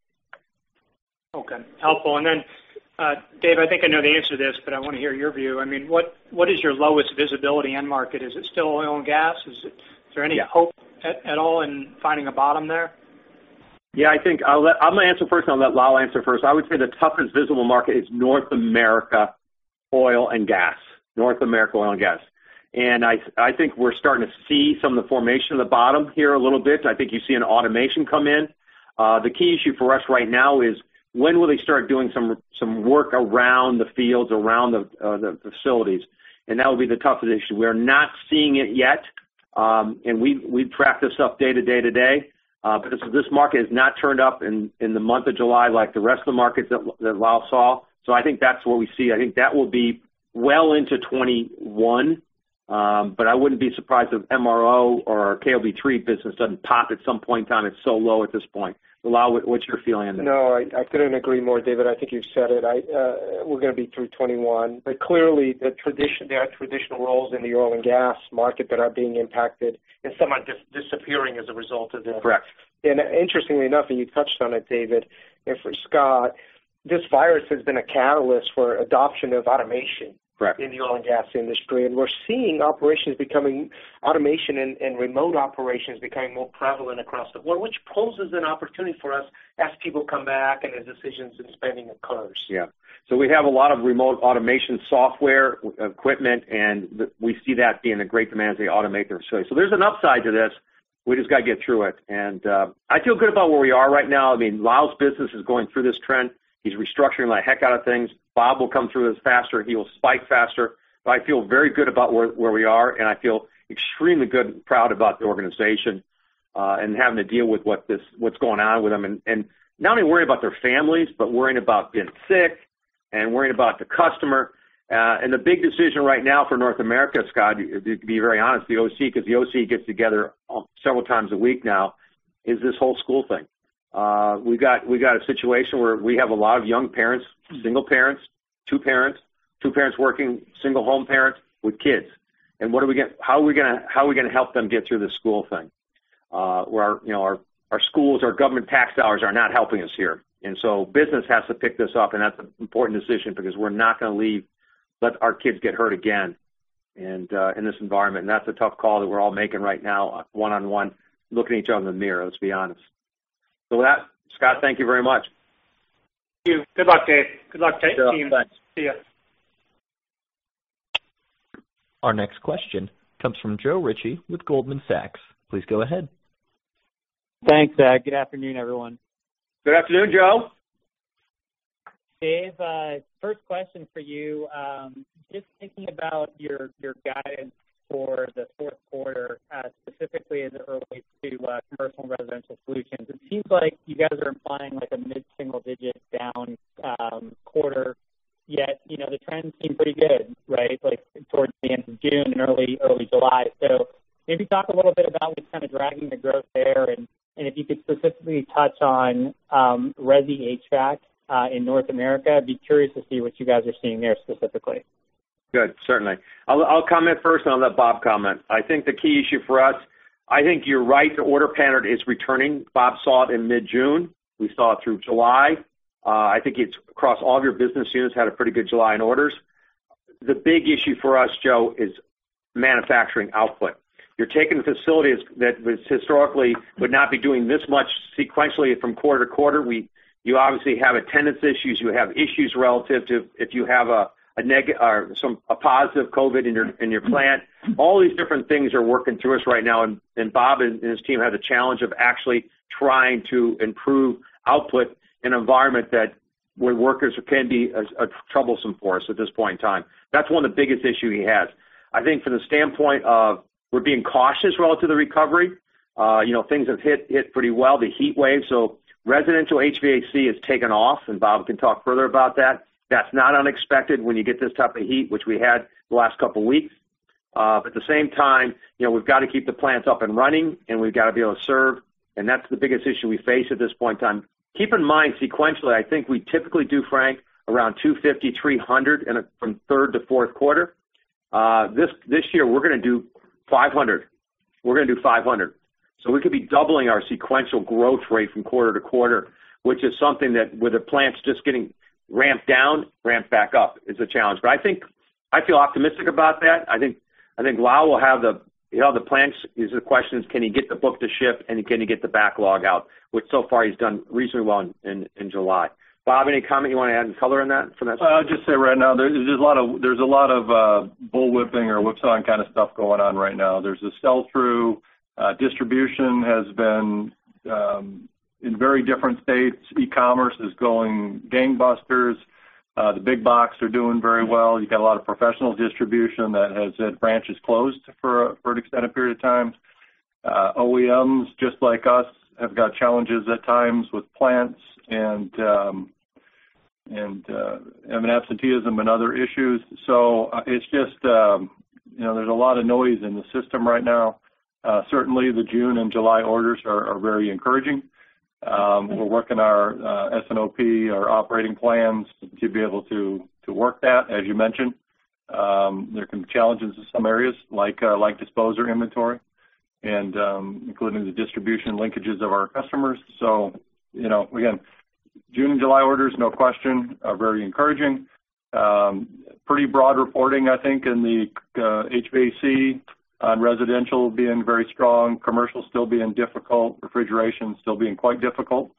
Okay. Helpful. Dave, I think I know the answer to this, but I want to hear your view. What is your lowest visibility end market? Is it still oil and gas? Yeah. Is there any hope at all in finding a bottom there? I'm going to answer first, then I'll let Lal answer first. I would say the toughest visible market is North America oil and gas. North America oil and gas. I think we're starting to see some of the formation of the bottom here a little bit. I think you see an automation come in. The key issue for us right now is when will they start doing some work around the fields, around the facilities? That will be the toughest issue. We are not seeing it yet. We track this stuff day to day to day. This market has not turned up in the month of July like the rest of the markets that Lal saw. I think that's what we see. I think that will be well into 2021. I wouldn't be surprised if MRO or our KOB 3 business doesn't pop at some point in time. It's so low at this point. Lal, what's your feeling on that? No, I couldn't agree more, Dave. I think you've said it. We're going to be through 2021. Clearly, there are traditional roles in the oil and gas market that are being impacted, and some are disappearing as a result of this. Correct. Interestingly enough, and you touched on it, Dave, and for Scott, this virus has been a catalyst for adoption of automation. Correct in the oil and gas industry. We're seeing automation and remote operations becoming more prevalent across the board, which poses an opportunity for us as people come back and as decisions in spending occurs. We have a lot of remote automation software equipment, and we see that being a great demand as they automate their facility. There's an upside to this. We just got to get through it. I feel good about where we are right now. Lal's business is going through this trend. He's restructuring the heck out of things. Bob will come through this faster. He will spike faster. I feel very good about where we are, and I feel extremely good and proud about the organization, and having to deal with what's going on with them. Not only worrying about their families, but worrying about being sick and worrying about the customer. The big decision right now for North America, Scott, to be very honest, the OC, because the OC gets together several times a week now, is this whole school thing. We got a situation where we have a lot of young parents, single parents, two parents, two parents working, single home parents with kids. How are we going to help them get through this school thing? Where our schools, our government tax dollars are not helping us here. Business has to pick this up, and that's an important decision because we're not going to let our kids get hurt again in this environment, and that's a tough call that we're all making right now one-on-one, looking at each other in the mirror, let's be honest. With that, Scott, thank you very much. Thank you. Good luck, Dave. Good luck to your team. Thanks. See you. Our next question comes from Joe Ritchie with Goldman Sachs. Please go ahead. Thanks. Good afternoon, everyone. Good afternoon, Joe. Dave, first question for you. Just thinking about your guidance for the fourth quarter, specifically as it relates to Commercial & Residential Solutions. It seems like you guys are implying like a mid-single digit down quarter, yet the trends seem pretty good, right? Like towards the end of June and early July. Maybe talk a little bit about what's kind of dragging the growth there and if you could specifically touch on resi HVAC in North America. I'd be curious to see what you guys are seeing there specifically. Good. Certainly. I'll comment first, and I'll let Bob comment. I think the key issue for us, I think you're right, the order pattern is returning. Bob saw it in mid-June. We saw it through July. I think it's across all of your business units had a pretty good July in orders. The big issue for us, Joe, is manufacturing output. You're taking facilities that historically would not be doing this much sequentially from quarter to quarter. You obviously have attendance issues. You have issues relative to if you have a positive COVID in your plant. All these different things are working through us right now, and Bob and his team have the challenge of actually trying to improve output in an environment where workers can be a troublesome force at this point in time. That's one of the biggest issue he has. I think from the standpoint of we're being cautious relative to recovery. Things have hit pretty well, the heat wave, so residential HVAC has taken off, and Bob can talk further about that. That's not unexpected when you get this type of heat, which we had the last couple of weeks. At the same time, we've got to keep the plants up and running, and we've got to be able to serve, and that's the biggest issue we face at this point in time. Keep in mind, sequentially, I think we typically do, Frank, around $250 million, $300 million from third to fourth quarter. This year, we're going to do $500 million. We're going to do $500 million. We could be doubling our sequential growth rate from quarter to quarter, which is something that with the plants just getting ramped down, ramped back up is a challenge. I feel optimistic about that. I think Lal will have the plan, the question is can he get the book to ship and can he get the backlog out, which so far he's done reasonably well in July. Bob, any comment you want to add and color in that from that side? I'll just say right now, there's a lot of bull whipping or whipsawing kind of stuff going on right now. There's the sell-through. Distribution has been in very different states. E-commerce is going gangbusters. The big box are doing very well. You got a lot of professional distribution that has had branches closed for an extended period of time. OEMs, just like us, have got challenges at times with plants and absenteeism and other issues. It's just there's a lot of noise in the system right now. Certainly, the June and July orders are very encouraging. We're working our S&OP, our operating plans to be able to work that, as you mentioned. There can be challenges in some areas like disposer inventory and including the distribution linkages of our customers. Again, June and July orders, no question, are very encouraging. Pretty broad reporting, I think, in the HVAC on residential being very strong, commercial still being difficult, refrigeration still being quite difficult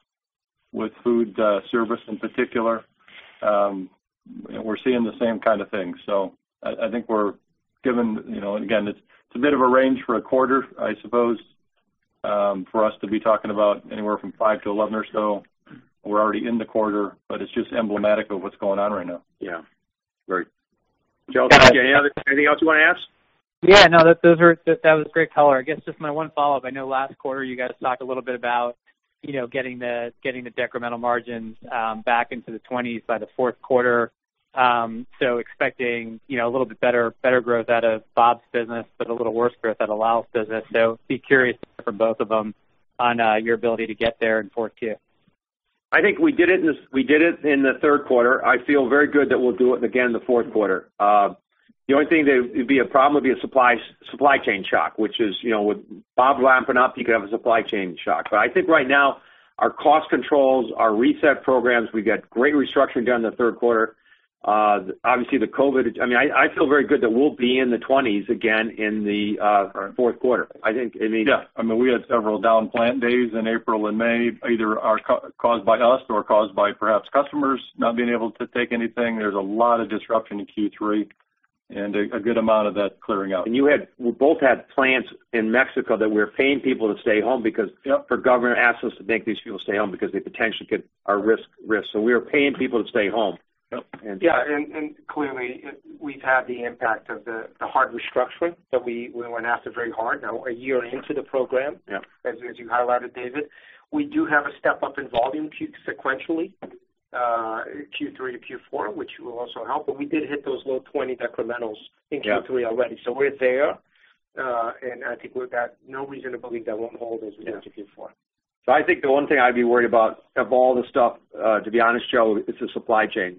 with food service in particular. We're seeing the same kind of thing. I think, again, it's a bit of a range for a quarter, I suppose, for us to be talking about anywhere from 5-11 or so. We're already in the quarter, but it's just emblematic of what's going on right now. Yeah. Great. Joe, anything else you want to ask? Yeah, no, that was great color. I guess just my one follow-up, I know last quarter you guys talked a little bit about getting the decremental margins back into the 20s by the fourth quarter. Expecting a little bit better growth out of Bob's business, but a little worse growth out of Lal's business. Be curious from both of them on your ability to get there in 4Q. I think we did it in the third quarter. I feel very good that we'll do it again in the fourth quarter. The only thing that would be a problem would be a supply chain shock, which is with Bob ramping up, you could have a supply chain shock. I think right now, our cost controls, our reset programs, we got great restructuring done in the third quarter. Obviously, the COVID-19, I feel very good that we'll be in the 20s again in the fourth quarter. Yeah. We had several down plant days in April and May, either caused by us or caused by perhaps customers not being able to take anything. There's a lot of disruption in Q3. A good amount of that's clearing out. We both had plants in Mexico that we're paying people to stay home because. Yep our government asked us to make these people stay home because they potentially are risks. We are paying people to stay home. Yep. And- Yeah, clearly, we've had the impact of the hard restructuring that we went after very hard. Now a year into the program. Yeah As you highlighted, Dave. We do have a step-up in volume sequentially. In Q3 to Q4, which will also help. We did hit those low 20 incrementals in Q3 already. Yeah. We're there, and I think we've got no reason to believe that won't hold as we get to Q4. I think the one thing I'd be worried about, of all the stuff, to be honest, Joe, it's the supply chain.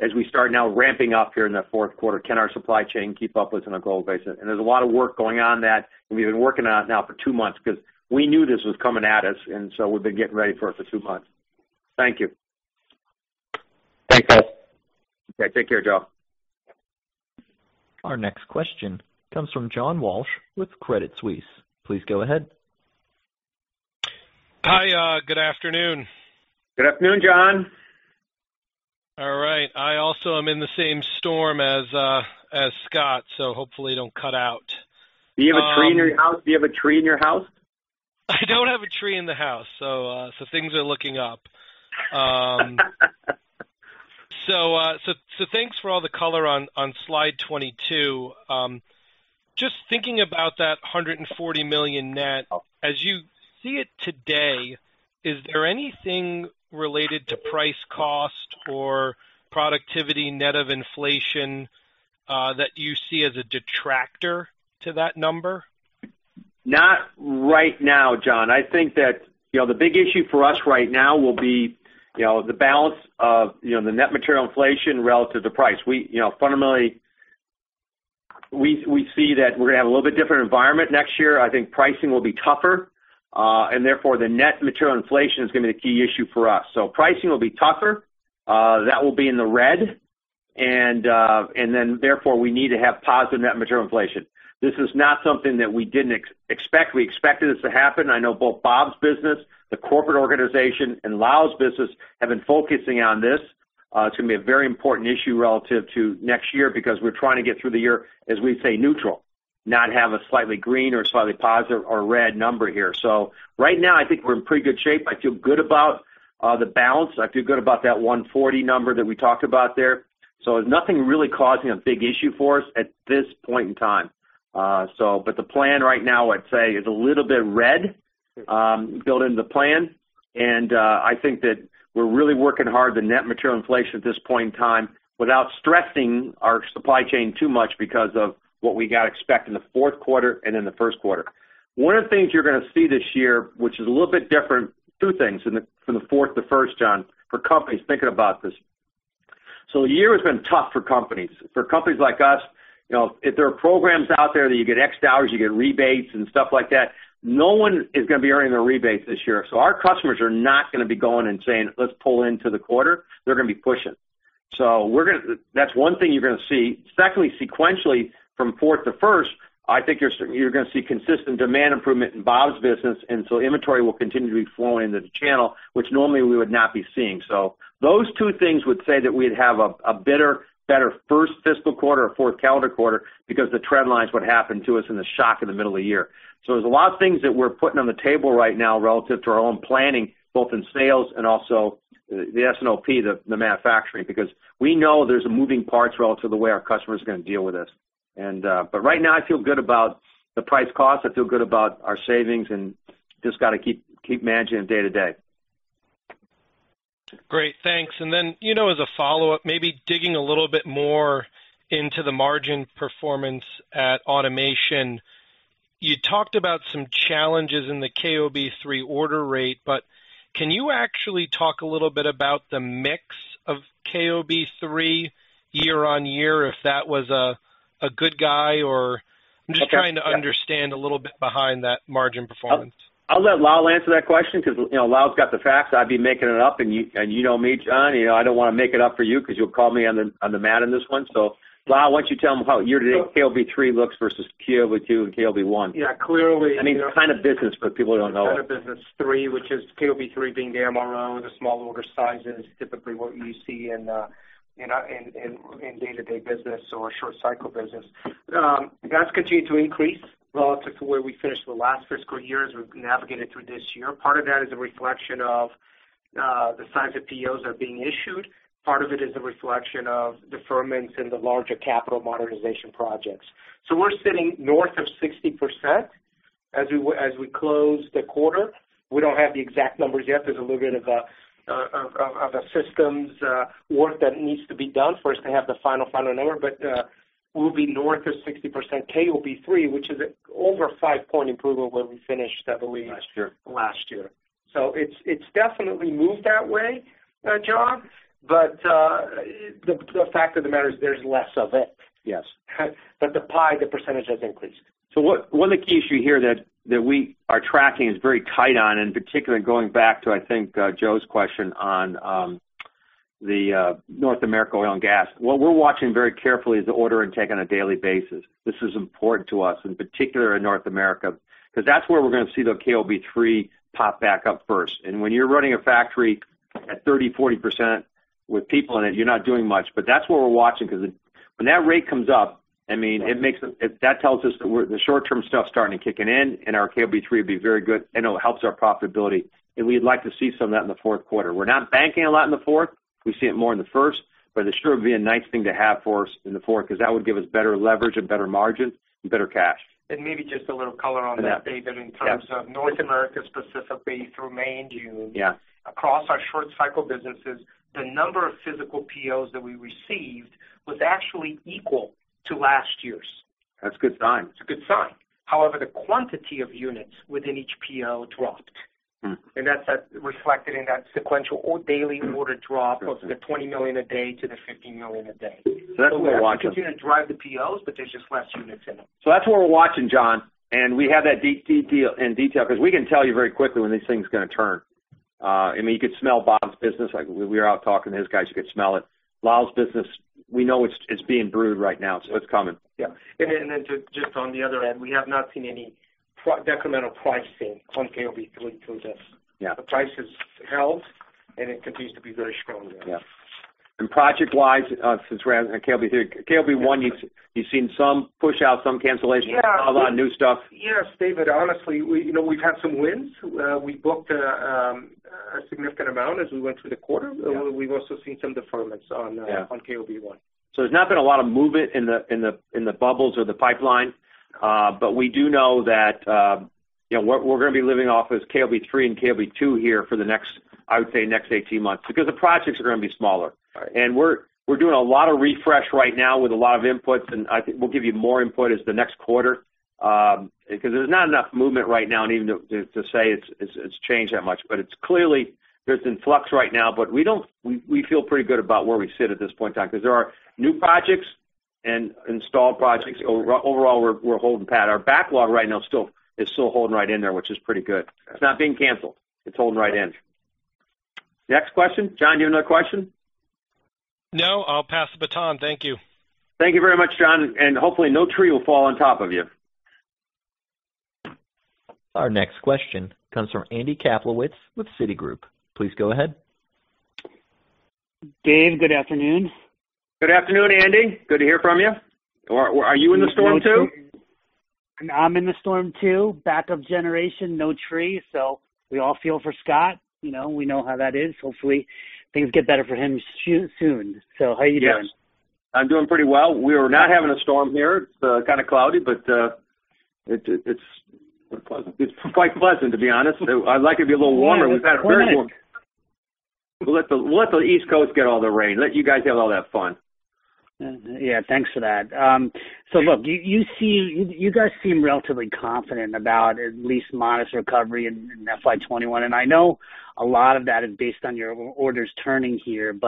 As we start now ramping up here in the fourth quarter, can our supply chain keep up with us on a global basis? There's a lot of work going on that we've been working on it now for two months because we knew this was coming at us, we've been getting ready for it for two months. Thank you. Thanks, guys. Okay. Take care, Joe. Our next question comes from John Walsh with Credit Suisse. Please go ahead. Hi. Good afternoon. Good afternoon, John. All right. I also am in the same storm as Scott, so hopefully don't cut out. Do you have a tree in your house? I don't have a tree in the house, things are looking up. Thanks for all the color on slide 22. Just thinking about that $140 million net, as you see it today, is there anything related to price cost or productivity net of inflation that you see as a detractor to that number? Not right now, John. I think that the big issue for us right now will be the balance of the net material inflation relative to price. Fundamentally, we see that we're going to have a little bit different environment next year. I think pricing will be tougher, and therefore, the net material inflation is going to be the key issue for us. Pricing will be tougher. That will be in the red, and then therefore, we need to have positive net material inflation. This is not something that we didn't expect. We expected this to happen. I know both Bob's business, the corporate organization, and Lal's business have been focusing on this. It's going to be a very important issue relative to next year because we're trying to get through the year, as we say, neutral, not have a slightly green or slightly positive or red number here. Right now, I think we're in pretty good shape. I feel good about the balance. I feel good about that 140 number that we talked about there. There's nothing really causing a big issue for us at this point in time. The plan right now, I'd say, is a little bit red built into the plan, and I think that we're really working hard, the net material inflation at this point in time, without stressing our supply chain too much because of what we got expect in the fourth quarter and in the first quarter. One of the things you're going to see this year, which is a little bit different, two things, from the fourth to first, John, for companies thinking about this. The year has been tough for companies. For companies like us, if there are programs out there that you get X dollars, you get rebates and stuff like that, no one is going to be earning their rebates this year. Our customers are not going to be going and saying, "Let's pull into the quarter." They're going to be pushing. That's one thing you're going to see. Secondly, sequentially, from fourth to first, I think you're going to see consistent demand improvement in Bob's business, and so inventory will continue to be flowing into the channel, which normally we would not be seeing. Those two things would say that we'd have a better first fiscal quarter or fourth calendar quarter because the trend line is what happened to us in the shock in the middle of the year. There's a lot of things that we're putting on the table right now relative to our own planning, both in sales and also the S&OP, the manufacturing, because we know there's moving parts relative to the way our customers are going to deal with this. Right now, I feel good about the price cost. I feel good about our savings and just got to keep managing it day to day. Great, thanks. Then, as a follow-up, maybe digging a little bit more into the margin performance at Automation. You talked about some challenges in the KOB-3 order rate, can you actually talk a little bit about the mix of KOB-3 year-on-year, if that was a good guy, or I'm just trying to understand a little bit behind that margin performance. I'll let Lal answer that question because Lal's got the facts. I'd be making it up, and you know me, John, I don't want to make it up for you because you'll call me on the mat on this one. Lal, why don't you to tell them how year-to-date KOB-3 looks versus KOB-2 and KOB-1. Yeah. I mean, kind of business for people who don't know. That kind of business three, which is KOB-3 being the MRO, the small order sizes, typically what you see in day-to-day business or short cycle business. That's continued to increase relative to where we finished the last fiscal year as we've navigated through this year. Part of that is a reflection of the size of POs that are being issued. Part of it is a reflection of deferments in the larger capital modernization projects. We're sitting north of 60% as we close the quarter. We don't have the exact numbers yet. There's a little bit of a systems work that needs to be done for us to have the final number. We'll be north of 60%, KOB-3, which is over a five-point improvement where we finished, I believe. Last year last year. It's definitely moved that way, John, but the fact of the matter is there's less of it. Yes. The pie, the percentage, has increased. One of the keys you hear that we are tracking is very tight on, in particular, going back to, I think, Joe's question on the North America oil and gas. What we're watching very carefully is the order intake on a daily basis. This is important to us, in particular in North America, because that's where we're going to see the KOB-3 pop back up first. When you're running a factory at 30%, 40% with people in it, you're not doing much. That's what we're watching because when that rate comes up, that tells us the short-term stuff's starting to kick in and our KOB-3 will be very good, and it helps our profitability, and we'd like to see some of that in the fourth quarter. We're not banking a lot in the fourth. We see it more in the first. It sure would be a nice thing to have for us in the fourth, because that would give us better leverage and better margins and better cash. maybe just a little color on that, Dave. Yeah in terms of North America specifically through May and June. Yeah. Across our short cycle businesses, the number of physical POs that we received was actually equal to last year's. That's a good sign. It's a good sign. However, the quantity of units within each PO dropped. That's reflected in that sequential or daily order drop of the $20 million a day to the $15 million a day. That's what we're watching. We're continuing to drive the POs, but there's just less units in them. That's what we're watching, John, and we have that in detail, because we can tell you very quickly when this thing's going to turn. You could smell Bob's business. We were out talking to his guys, you could smell it. Lal's business, we know it's being brewed right now, so it's coming. Yeah. Just on the other end, we have not seen any decremental pricing on KOB3 to us. Yeah. The price has held, and it continues to be very strong there. Yeah. Project-wise, since we're on KOB3, KOB1, you've seen some push out, some cancellations. Yeah a lot of new stuff. Yes, Dave. Honestly, we've had some wins. We booked a significant amount as we went through the quarter. Yeah. We've also seen some deferments on- Yeah on KOB-1. There's not been a lot of movement in the bubbles or the pipeline. We do know that what we're going to be living off is KOB-3 and KOB-2 here for the next, I would say, 18 months, because the projects are going to be smaller. Right. We're doing a lot of refresh right now with a lot of inputs, and I think we'll give you more input as the next quarter, because there's not enough movement right now, and even to say it's changed that much. It's clearly, it's in flux right now, but we feel pretty good about where we sit at this point in time, because there are new projects and installed projects. Overall, we're holding pat. Our backlog right now is still holding right in there, which is pretty good. Yeah. It's not being canceled. It's holding right in. Next question. John, do you have another question? No, I'll pass the baton. Thank you. Thank you very much, John. Hopefully no tree will fall on top of you. Our next question comes from Andy Kaplowitz with Citigroup. Please go ahead. Dave, good afternoon. Good afternoon, Andy. Good to hear from you. Are you in the storm, too? I'm in the storm, too. Backup generation, no trees, so we all feel for Scott. We know how that is. Hopefully, things get better for him soon. How you doing? Yes. I'm doing pretty well. We're not having a storm here. It's kind of cloudy, but it's. Pleasant it's quite pleasant, to be honest. I'd like it to be a little warmer. We've had very warm-. Yeah, it's warm enough. Let the East Coast get all the rain. Let you guys have all that fun. Yeah. Thanks for that. Look, you guys seem relatively confident about at least modest recovery in FY 2021, and I know a lot of that is based on your orders turning here.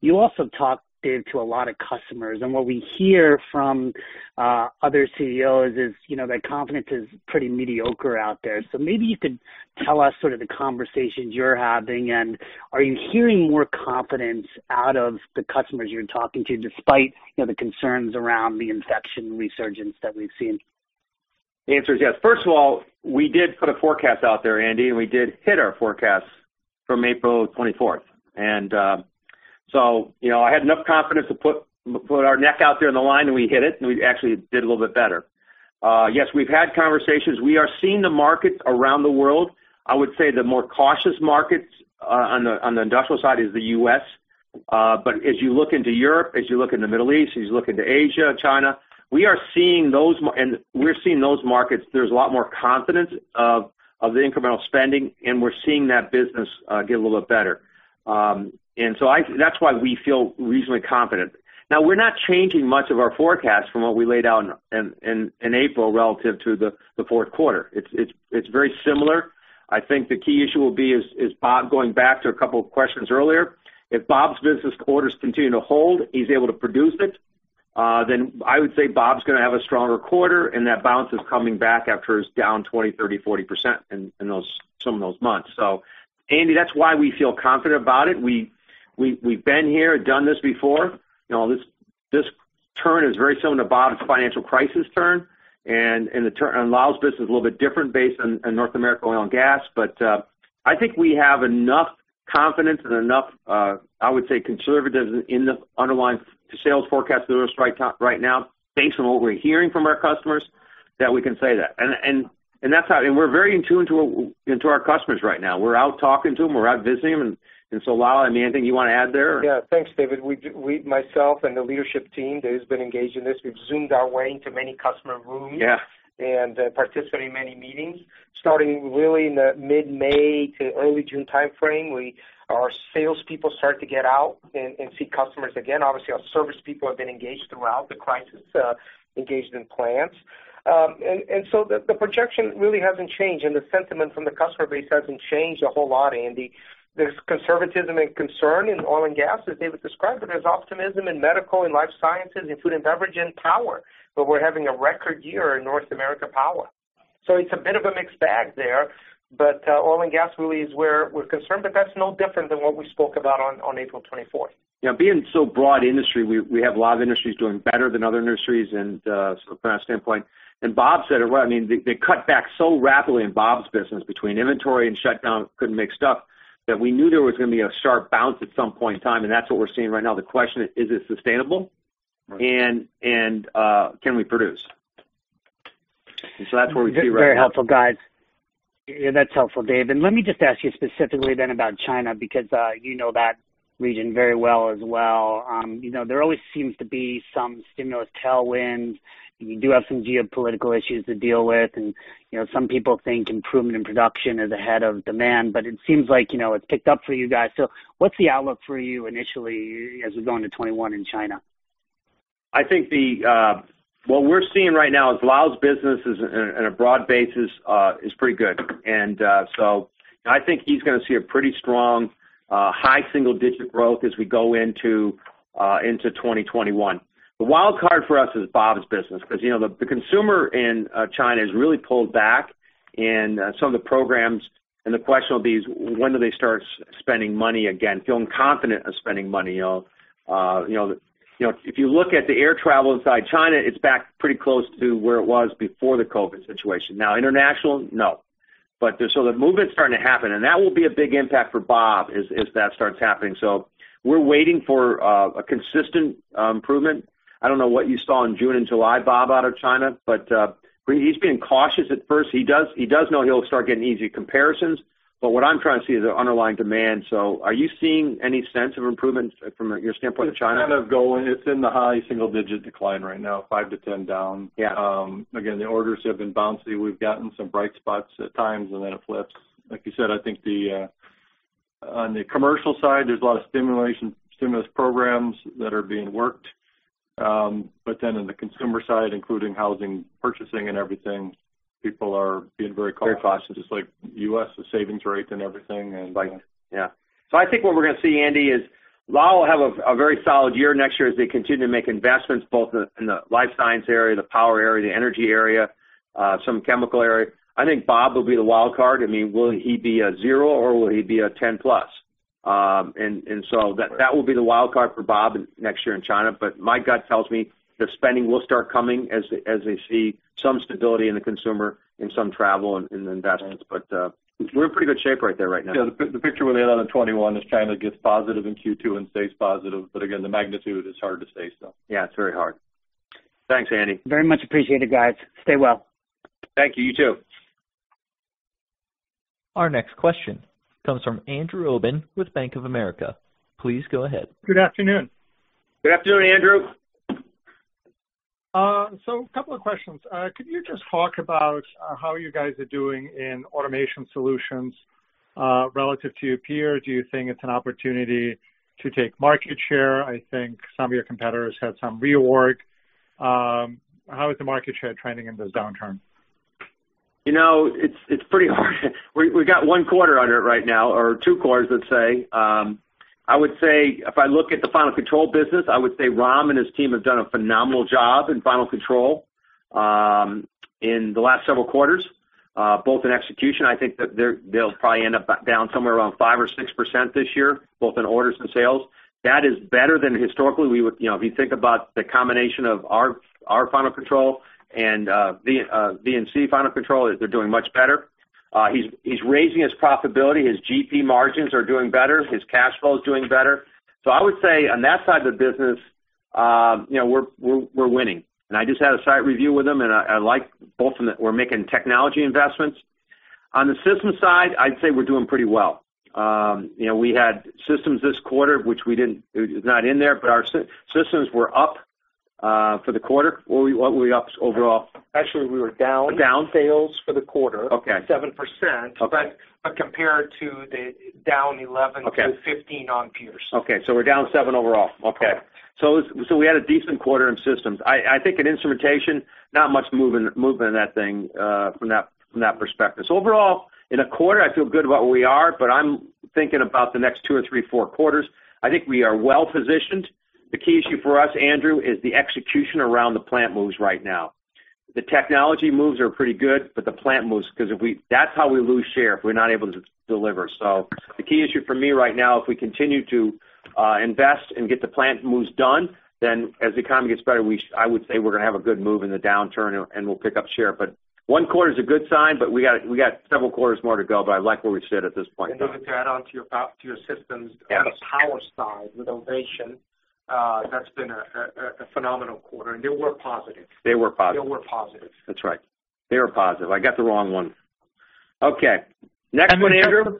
You also talk, Dave, to a lot of customers, and what we hear from other CEOs is that confidence is pretty mediocre out there. Maybe you could tell us sort of the conversations you're having, and are you hearing more confidence out of the customers you're talking to, despite the concerns around the infection resurgence that we've seen? The answer is yes. First of all, we did put a forecast out there, Andy, and we did hit our forecast from April 24th. I had enough confidence to put our neck out there on the line, and we hit it, and we actually did a little bit better. Yes, we've had conversations. We are seeing the markets around the world. I would say the more cautious markets on the industrial side is the U.S. As you look into Europe, as you look into Middle East, as you look into Asia, China, we're seeing those markets, there's a lot more confidence of the incremental spending, and we're seeing that business get a little bit better. That's why we feel reasonably confident. Now, we're not changing much of our forecast from what we laid out in April relative to the fourth quarter. It's very similar. I think the key issue will be is, Bob, going back to a couple of questions earlier, if Bob's business orders continue to hold, he's able to produce it, then I would say Bob's going to have a stronger quarter, and that bounce is coming back after it was down 20, 30, 40% in some of those months. Andy, that's why we feel confident about it. We've been here, done this before. This turn is very similar to Bob's financial crisis turn. Lal's business is a little bit different based on North America oil and gas. I think we have enough confidence and enough, I would say, conservatism in the underlying sales forecast that it was right now, based on what we're hearing from our customers, that we can say that. We're very in tune to our customers right now. We're out talking to them. We're out visiting them, and so Lal, anything you want to add there? Yeah. Thanks, Dave. Myself and the leadership team, Dave's been engaged in this. We've Zoomed our way into many customer rooms. Yeah Participated in many meetings. Starting really in the mid-May to early June timeframe, our salespeople started to get out and see customers again. Obviously, our service people have been engaged throughout the crisis, engaged in plants. The projection really hasn't changed, and the sentiment from the customer base hasn't changed a whole lot, Andy. There's conservatism and concern in oil and gas, as Dave described, but there's optimism in medical, in life sciences, in food and beverage, and power. We're having a record year in North America power. It's a bit of a mixed bag there. Oil and gas really is where we're concerned, but that's no different than what we spoke about on April 24th. Yeah. Being so broad industry, we have a lot of industries doing better than other industries from that standpoint. Bob said it right. They cut back so rapidly in Bob's business between inventory and shutdown, couldn't make stuff, that we knew there was going to be a sharp bounce at some point in time, and that's what we're seeing right now. The question is it sustainable? Right. Can we produce? That's where we see right now. Very helpful, guys. That's helpful, Dave. Let me just ask you specifically then about China, because you know that region very well as well. There always seems to be some stimulus tailwind. You do have some geopolitical issues to deal with, and some people think improvement in production is ahead of demand, but it seems like it's picked up for you guys. What's the outlook for you initially as we go into 2021 in China? I think what we're seeing right now is Lal's business is, in a broad basis, is pretty good. I think he's going to see a pretty strong, high single-digit growth as we go into 2021. The wild card for us is Bob's business because the consumer in China has really pulled back in some of the programs. The question will be is when do they start spending money again, feeling confident of spending money? If you look at the air travel inside China, it's back pretty close to where it was before the COVID situation. Now, international, no. The movement's starting to happen, and that will be a big impact for Bob as that starts happening. We're waiting for a consistent improvement. I don't know what you saw in June and July, Bob, out of China, but he's being cautious at first. He does know he'll start getting easy comparisons. What I'm trying to see is the underlying demand. Are you seeing any sense of improvement from your standpoint in China? It's kind of going. It's in the high single digit decline right now, 5%-10% down. Yeah. Again, the orders have been bouncy. We've gotten some bright spots at times, and then it flips. Like you said, I think on the commercial side, there's a lot of stimulus programs that are being worked. In the consumer side, including housing, purchasing and everything, people are being very cautious. Very cautious. Just like U.S., the savings rate and everything, and yeah. Right. Yeah. I think what we're going to see, Andy, is Lal will have a very solid year next year as they continue to make investments both in the life science area, the power area, the energy area, some chemical area. I think Bob will be the wild card. Will he be a zero or will he be a 10 plus? That will be the wild card for Bob next year in China. My gut tells me the spending will start coming as they see some stability in the consumer, in some travel, in the investments. We're in pretty good shape right there right now. Yeah. The picture we had on the 2021 is China gets positive in Q2 and stays positive. Again, the magnitude is hard to say, so. Yeah, it's very hard. Thanks, Andy. Very much appreciated, guys. Stay well. Thank you. You too. Our next question comes from Andrew Obin with Bank of America. Please go ahead. Good afternoon. Good afternoon, Andrew. A couple of questions. Could you just talk about how you guys are doing in Automation Solutions relative to your peer? Do you think it's an opportunity to take market share? Some of your competitors had some reorg. How is the market share trending in this downturn? It's pretty hard. We've got one quarter under it right now, or two quarters, let's say. I would say if I look at the final control business, I would say Ram and his team have done a phenomenal job in final control in the last several quarters, both in execution. I think that they'll probably end up down somewhere around 5% or 6% this year, both in orders and sales. That is better than historically. If you think about the combination of our final control and V&C final control, they're doing much better. He's raising his profitability. His GP margins are doing better. His cash flow is doing better. I would say on that side of the business, we're winning. I just had a site review with him, and I like both of them. We're making technology investments. On the system side, I'd say we're doing pretty well. We had systems this quarter, which is not in there. Our systems were up for the quarter. What were we up overall? Actually, we were. Down sales for the quarter. Okay. 7%. Okay. Compared to the down 11%-15% on peers. Okay. We're down seven overall. Okay. We had a decent quarter in systems. I think in instrumentation, not much movement in that thing from that perspective. Overall, in a quarter, I feel good about where we are, but I'm thinking about the next two or three, four quarters. I think we are well-positioned. The key issue for us, Andrew, is the execution around the plant moves right now. The technology moves are pretty good, but the plant moves. Because that's how we lose share if we're not able to deliver. The key issue for me right now, if we continue to invest and get the plant moves done, then as the economy gets better, I would say we're going to have a good move in the downturn, and we'll pick up share. One quarter is a good sign, but we got several quarters more to go, but I like where we sit at this point in time. to add on to your systems Yeah on the power side with Ovation, that's been a phenomenal quarter, and they were positive. They were positive. They were positive. That's right. They were positive. I got the wrong one. Okay. Next one, Andrew?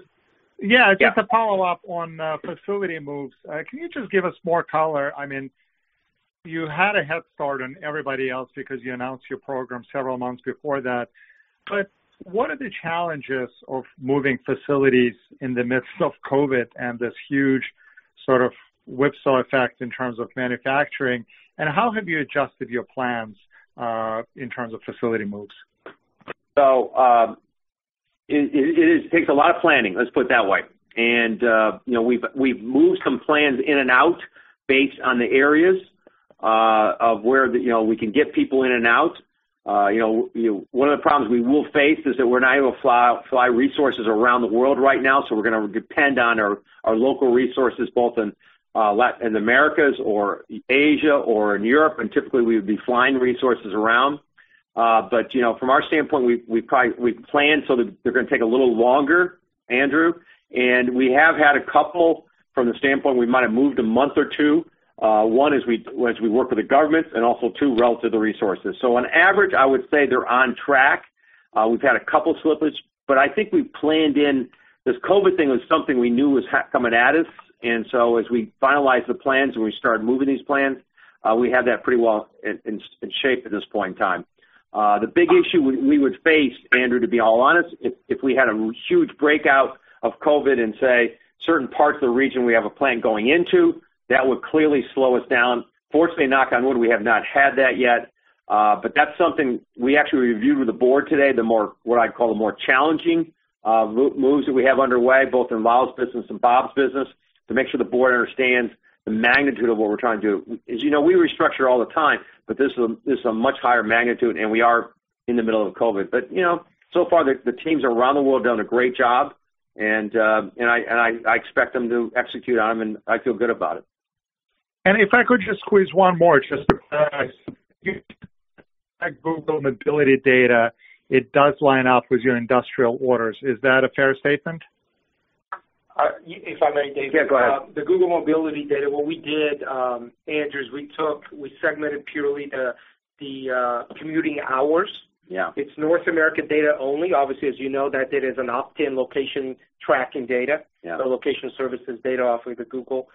Yeah. Yeah. Just to follow up on facility moves, can you just give us more color? You had a head start on everybody else because you announced your program several months before that, what are the challenges of moving facilities in the midst of COVID and this huge sort of whipsaw effect in terms of manufacturing, and how have you adjusted your plans in terms of facility moves? It takes a lot of planning, let's put it that way. We've moved some plans in and out based on the areas of where we can get people in and out. One of the problems we will face is that we're not able to fly resources around the world right now, so we're going to depend on our local resources, both in Americas or Asia or in Europe. Typically, we would be flying resources around. From our standpoint, we've planned so that they're going to take a little longer, Andrew. We have had a couple from the standpoint we might have moved a month or two. One is we work with the government, and also two, relative to resources. On average, I would say they're on track. We've had a couple slippages, but I think we've planned in. This COVID thing was something we knew was coming at us, and so as we finalized the plans and we started moving these plans, we had that pretty well in shape at this point in time. The big issue we would face, Andrew, to be all honest, if we had a huge breakout of COVID in, say, certain parts of the region we have a plant going into, that would clearly slow us down. Fortunately, knock on wood, we have not had that yet. That's something we actually reviewed with the board today, what I'd call the more challenging moves that we have underway, both in Lal's business and Bob's business, to make sure the board understands the magnitude of what we're trying to do. As you know, we restructure all the time, but this is a much higher magnitude, and we are in the middle of COVID-19. So far, the teams around the world have done a great job, and I expect them to execute on them, and I feel good about it. If I could just squeeze one more, just because Google mobility data, it does line up with your industrial orders. Is that a fair statement? If I may, Dave? Yeah, go ahead. The Google mobility data, what we did, Andrew, is we segmented purely the commuting hours. Yeah. It's North America data only. Obviously, as you know, that data is an opt-in location tracking data. Yeah. The location services data off of the Google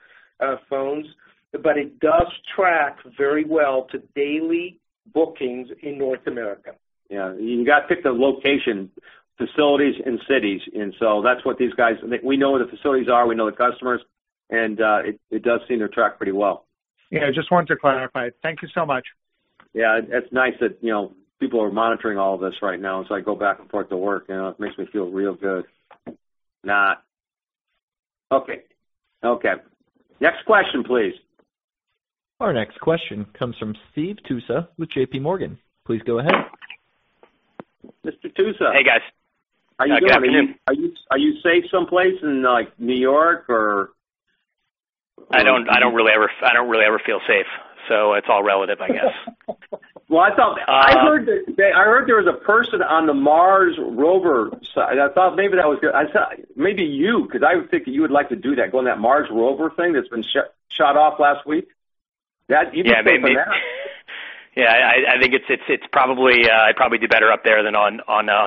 phones. It does track very well to daily bookings in North America. Yeah. You got to pick the location, facilities, and cities. We know where the facilities are, we know the customers, and it does seem to track pretty well. Yeah, just wanted to clarify. Thank you so much. Yeah. It's nice that people are monitoring all of this right now as I go back and forth to work. It makes me feel real good. Not. Okay. Next question, please. Our next question comes from Steve Tusa with J.P. Morgan. Please go ahead. Mr. Tusa. Hey, guys. Good afternoon. How you doing? Are you safe someplace in New York or? I don't really ever feel safe. It's all relative, I guess. I heard there was a person on the Mars rover. I thought maybe you, because I would think that you would like to do that, go on that Mars rover thing that's been shot off last week. Even safer than that. Yeah, I think I'd probably do better up there than on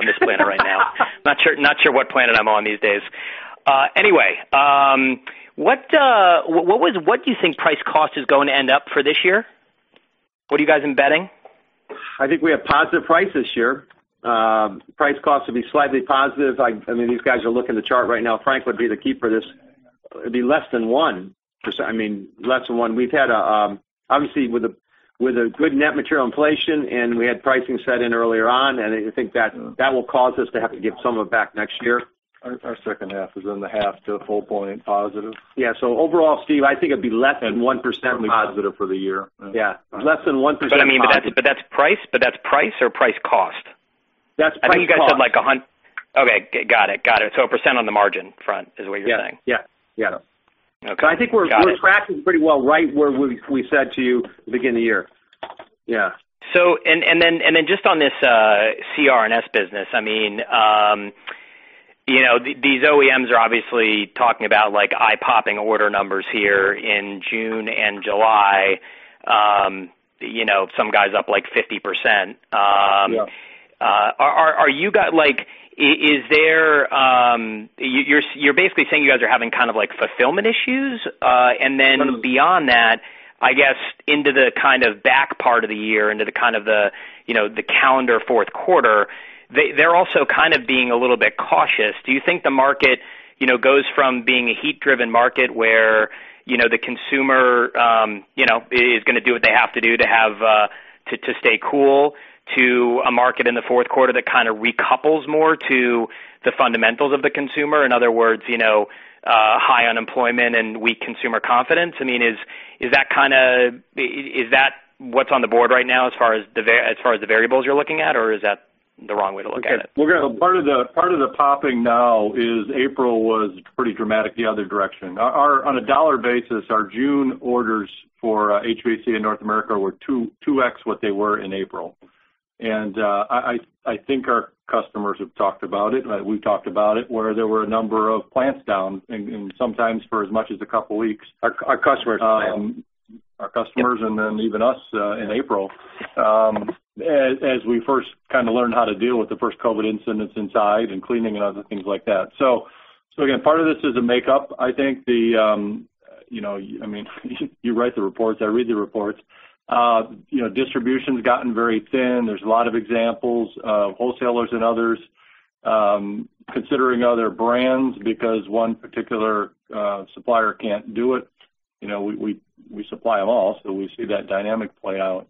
this planet right now. Not sure what planet I'm on these days. Anyway, what do you think price cost is going to end up for this year? What are you guys embedding? I think we have positive price this year. Price cost will be slightly positive. These guys are looking at the chart right now. Frank would be the key for this. It'd be less than one. Obviously, with a good net material inflation and we had pricing set in earlier on, and I think that will cause us to have to give some of it back next year. Our second half is in the half to a full point positive. Yeah. Overall, Steve, I think it'd be less than 1% positive for the year. Yeah. Less than 1% positive. That's price or price cost? That's price cost. I think you guys said like uncertain on the margin front is what you're saying? Yeah. Okay. Got it. I think we're tracking pretty well right where we said to you at the beginning of the year. Yeah. Just on this CR&S business, these OEMs are obviously talking about eye-popping order numbers here in June and July. Some guys up like 50%. Yeah. You're basically saying you guys are having kind of fulfillment issues? Totally Beyond that, I guess, into the kind of back part of the year, into the kind of the calendar fourth quarter, they're also kind of being a little bit cautious. Do you think the market goes from being a heat-driven market where the consumer is going to do what they have to do to stay cool, to a market in the fourth quarter that kind of recouples more to the fundamentals of the consumer? In other words, high unemployment and weak consumer confidence. Is that what's on the board right now as far as the variables you're looking at, or is that the wrong way to look at it? Part of the popping now is April was pretty dramatic the other direction. On a dollar basis, our June orders for HVAC in North America were 2x what they were in April. I think our customers have talked about it, we've talked about it, where there were a number of plants down, and sometimes for as much as a couple weeks. Our customers were down. Our customers, even us in April, as we first kind of learned how to deal with the first COVID-19 incidence inside and cleaning and other things like that. Again, part of this is a makeup. You write the reports, I read the reports. Distribution's gotten very thin. There's a lot of examples of wholesalers and others considering other brands because one particular supplier can't do it. We supply them all, we see that dynamic play out.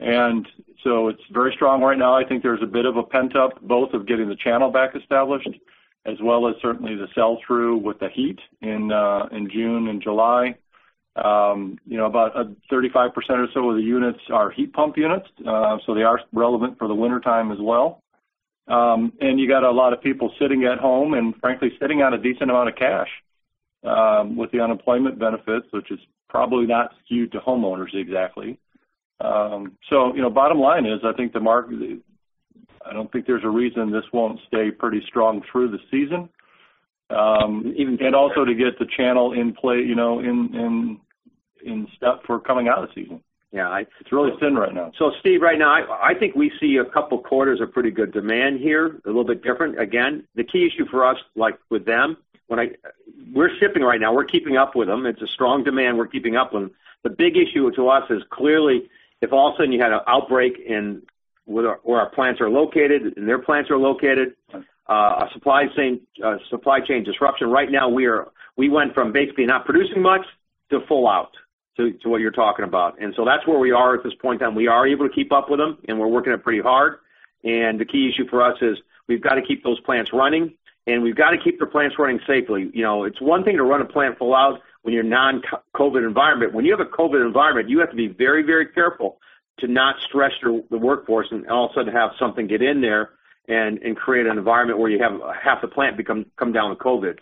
It's very strong right now. I think there's a bit of a pent-up, both of getting the channel back established, as well as certainly the sell-through with the heat in June and July. About 35% or so of the units are heat pump units, they are relevant for the wintertime as well. You got a lot of people sitting at home and frankly, sitting on a decent amount of cash with the unemployment benefits, which is probably not skewed to homeowners exactly. Bottom line is, I don't think there's a reason this won't stay pretty strong through the season. Also to get the channel in play, in step for coming out of season. Yeah. It's really thin right now. Steve, right now, I think we see a couple of quarters of pretty good demand here, a little bit different. Again, the key issue for us, like with them, we're shipping right now. We're keeping up with them. It's a strong demand, we're keeping up with them. The big issue to us is clearly, if all of a sudden you had an outbreak where our plants are located, and their plants are located, a supply chain disruption. Right now, we went from basically not producing much to full out, to what you're talking about. That's where we are at this point in time. We are able to keep up with them, and we're working it pretty hard. The key issue for us is we've got to keep those plants running, and we've got to keep the plants running safely. It's one thing to run a plant full out when you're non-COVID environment. When you have a COVID environment, you have to be very careful to not stress the workforce, and all of a sudden have something get in there and create an environment where you have half the plant come down with COVID.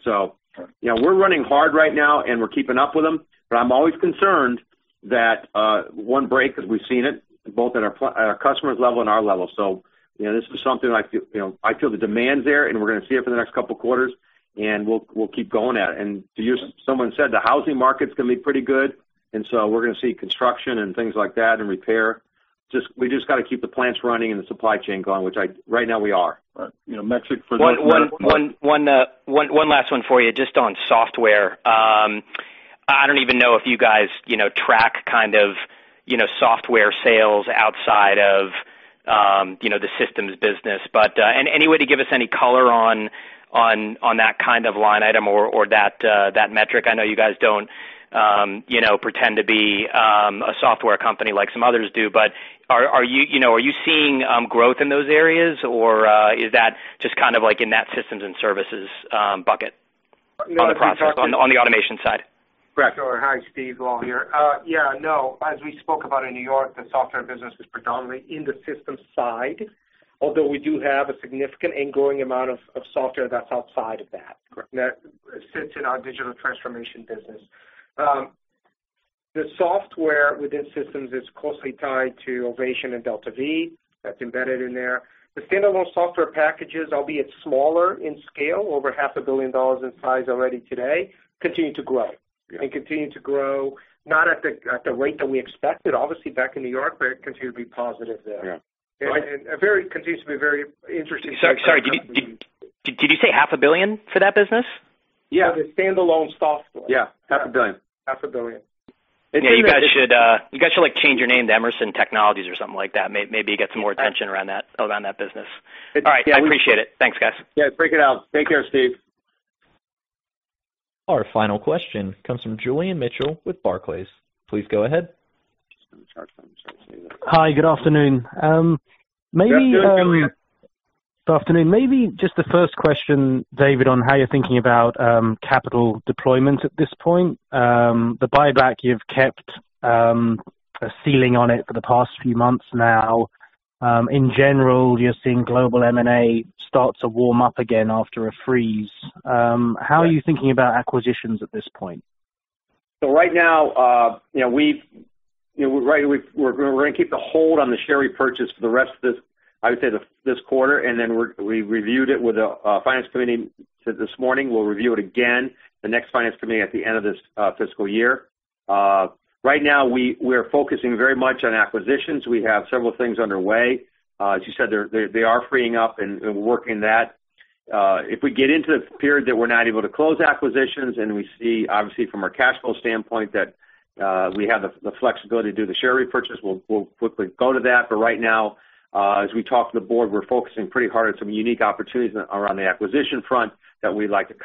We're running hard right now, and we're keeping up with them, but I'm always concerned that one break, because we've seen it, both at our customer's level and our level. This is something, I feel the demand's there, and we're going to see it for the next couple of quarters, and we'll keep going at it. Someone said the housing market's going to be pretty good, and so we're going to see construction and things like that, and repair. We just got to keep the plants running and the supply chain going, which right now we are. Right. One last one for you, just on software. I don't even know if you guys track kind of software sales outside of the systems business. Any way to give us any color on that kind of line item, or that metric? I know you guys don't pretend to be a software company like some others do, but are you seeing growth in those areas, or is that just kind of in that systems and services bucket on the automation side? Correct. Sure. Hi, Steve Lal here. Yeah, no, as we spoke about in New York, the software business is predominantly in the systems side, although we do have a significant ingoing amount of software that's outside of that. Correct. That sits in our digital transformation business. The software within systems is closely tied to Ovation and DeltaV, that's embedded in there. The standalone software packages, albeit smaller in scale, over $500 million dollars in size already today, continue to grow. Yeah. Continue to grow, not at the rate that we expected, obviously, back in New York, but it continued to be positive there. Yeah. continues to be very interesting. Sorry, did you say $500 million for that business? Yeah, the standalone software. Yeah, $500 million. $500 million. Yeah, you guys should change your name to Emerson Technologies or something like that. Maybe you'll get some more attention around that business. All right. I appreciate it. Thanks, guys. Yeah, figure it out. Take care, Steve. Our final question comes from Julian Mitchell with Barclays. Please go ahead. Hi, good afternoon. Yes, go ahead, Julian. Afternoon. Maybe just the first question, Dave, on how you're thinking about capital deployment at this point. The buyback, you've kept a ceiling on it for the past few months now. In general, you're seeing global M&A start to warm up again after a freeze. How are you thinking about acquisitions at this point? Right now, we're going to keep the hold on the share repurchase for the rest of this, I would say, this quarter, and then we reviewed it with the finance committee this morning. We'll review it again the next finance committee at the end of this fiscal year. Right now, we are focusing very much on acquisitions. We have several things underway. As you said, they are freeing up, and we're working that. If we get into the period that we're not able to close acquisitions and we see, obviously, from our cash flow standpoint, that we have the flexibility to do the share repurchase, we'll quickly go to that. Right now, as we talk to the board, we're focusing pretty hard on some unique opportunities around the acquisition front that we'd like to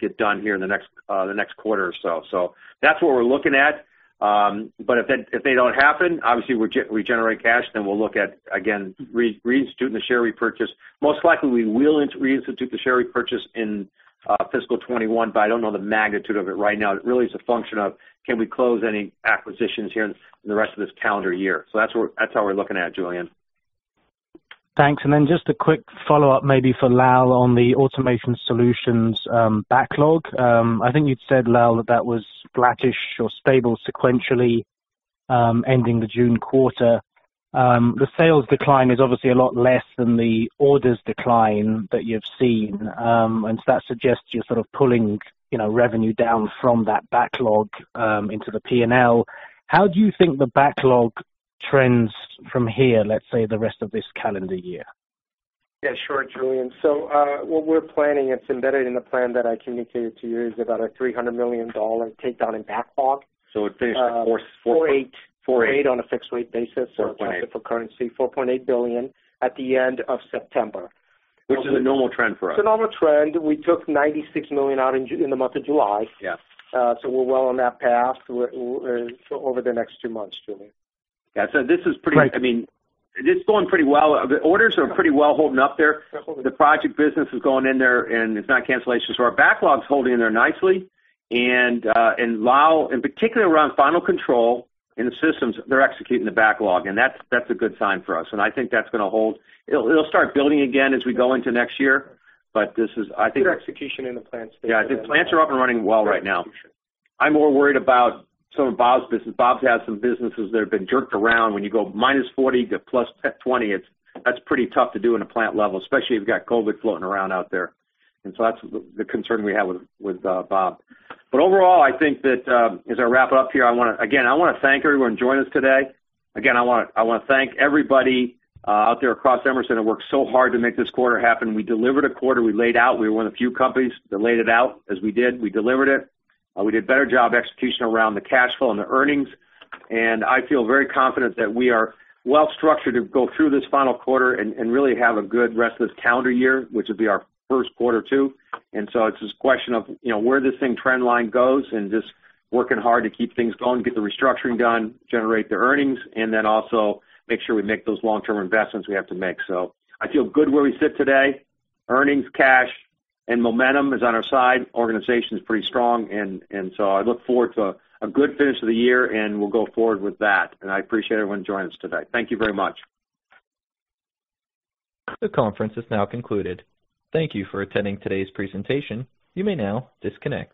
get done here in the next quarter or so. That's what we're looking at. If they don't happen, obviously, we generate cash, then we'll look at, again, reinstituting the share repurchase. Most likely, we will reinstitute the share repurchase in fiscal 2021, but I don't know the magnitude of it right now. It really is a function of can we close any acquisitions here in the rest of this calendar year. That's how we're looking at it, Julian. Thanks. Just a quick follow-up maybe for Lal on the automation solutions backlog. I think you'd said, Lal, that that was flattish or stable sequentially ending the June quarter. The sales decline is obviously a lot less than the orders decline that you've seen. That suggests you're sort of pulling revenue down from that backlog into the P&L. How do you think the backlog trends from here, let's say, the rest of this calendar year? Yeah, sure, Julian. What we're planning, it's embedded in the plan that I communicated to you, is about a $300 million takedown in backlog. it finished four- $4.8 billion. $4.8 billion. $4.8 billion on a fixed-rate basis, so adjusted for currency, $4.8 billion at the end of September. Which is a normal trend for us. It's a normal trend. We took $96 million out in the month of July. Yeah. We're well on that path over the next two months, Julian. Yeah. I mean, it's going pretty well. The orders are pretty well holding up there. They're holding. The project business is going in there, and it's not cancellations. Our backlog's holding in there nicely. Lal, in particular around final control in the systems, they're executing the backlog, and that's a good sign for us, and I think that's going to hold. It'll start building again as we go into next year. Good execution in the plants. Yeah, the plants are up and running well right now. I'm more worried about some of Bob's business. Bob's had some businesses that have been jerked around. When you go -40 to +20, that's pretty tough to do in a plant level, especially if you've got COVID floating around out there. That's the concern we have with Bob. Overall, I think that as I wrap up here, again, I want to thank everyone joining us today. Again, I want to thank everybody out there across Emerson that worked so hard to make this quarter happen. We delivered a quarter we laid out. We were one of the few companies that laid it out as we did. We delivered it. We did a better job execution around the cash flow and the earnings, and I feel very confident that we are well-structured to go through this final quarter and really have a good rest of this calendar year, which will be our first quarter too. It's just a question of where this thing trend line goes, and just working hard to keep things going, get the restructuring done, generate the earnings, and then also make sure we make those long-term investments we have to make. I feel good where we sit today. Earnings, cash, and momentum is on our side. Organization's pretty strong, and so I look forward to a good finish of the year, and we'll go forward with that. I appreciate everyone joining us today. Thank you very much. The conference is now concluded. Thank you for attending today's presentation. You may now disconnect.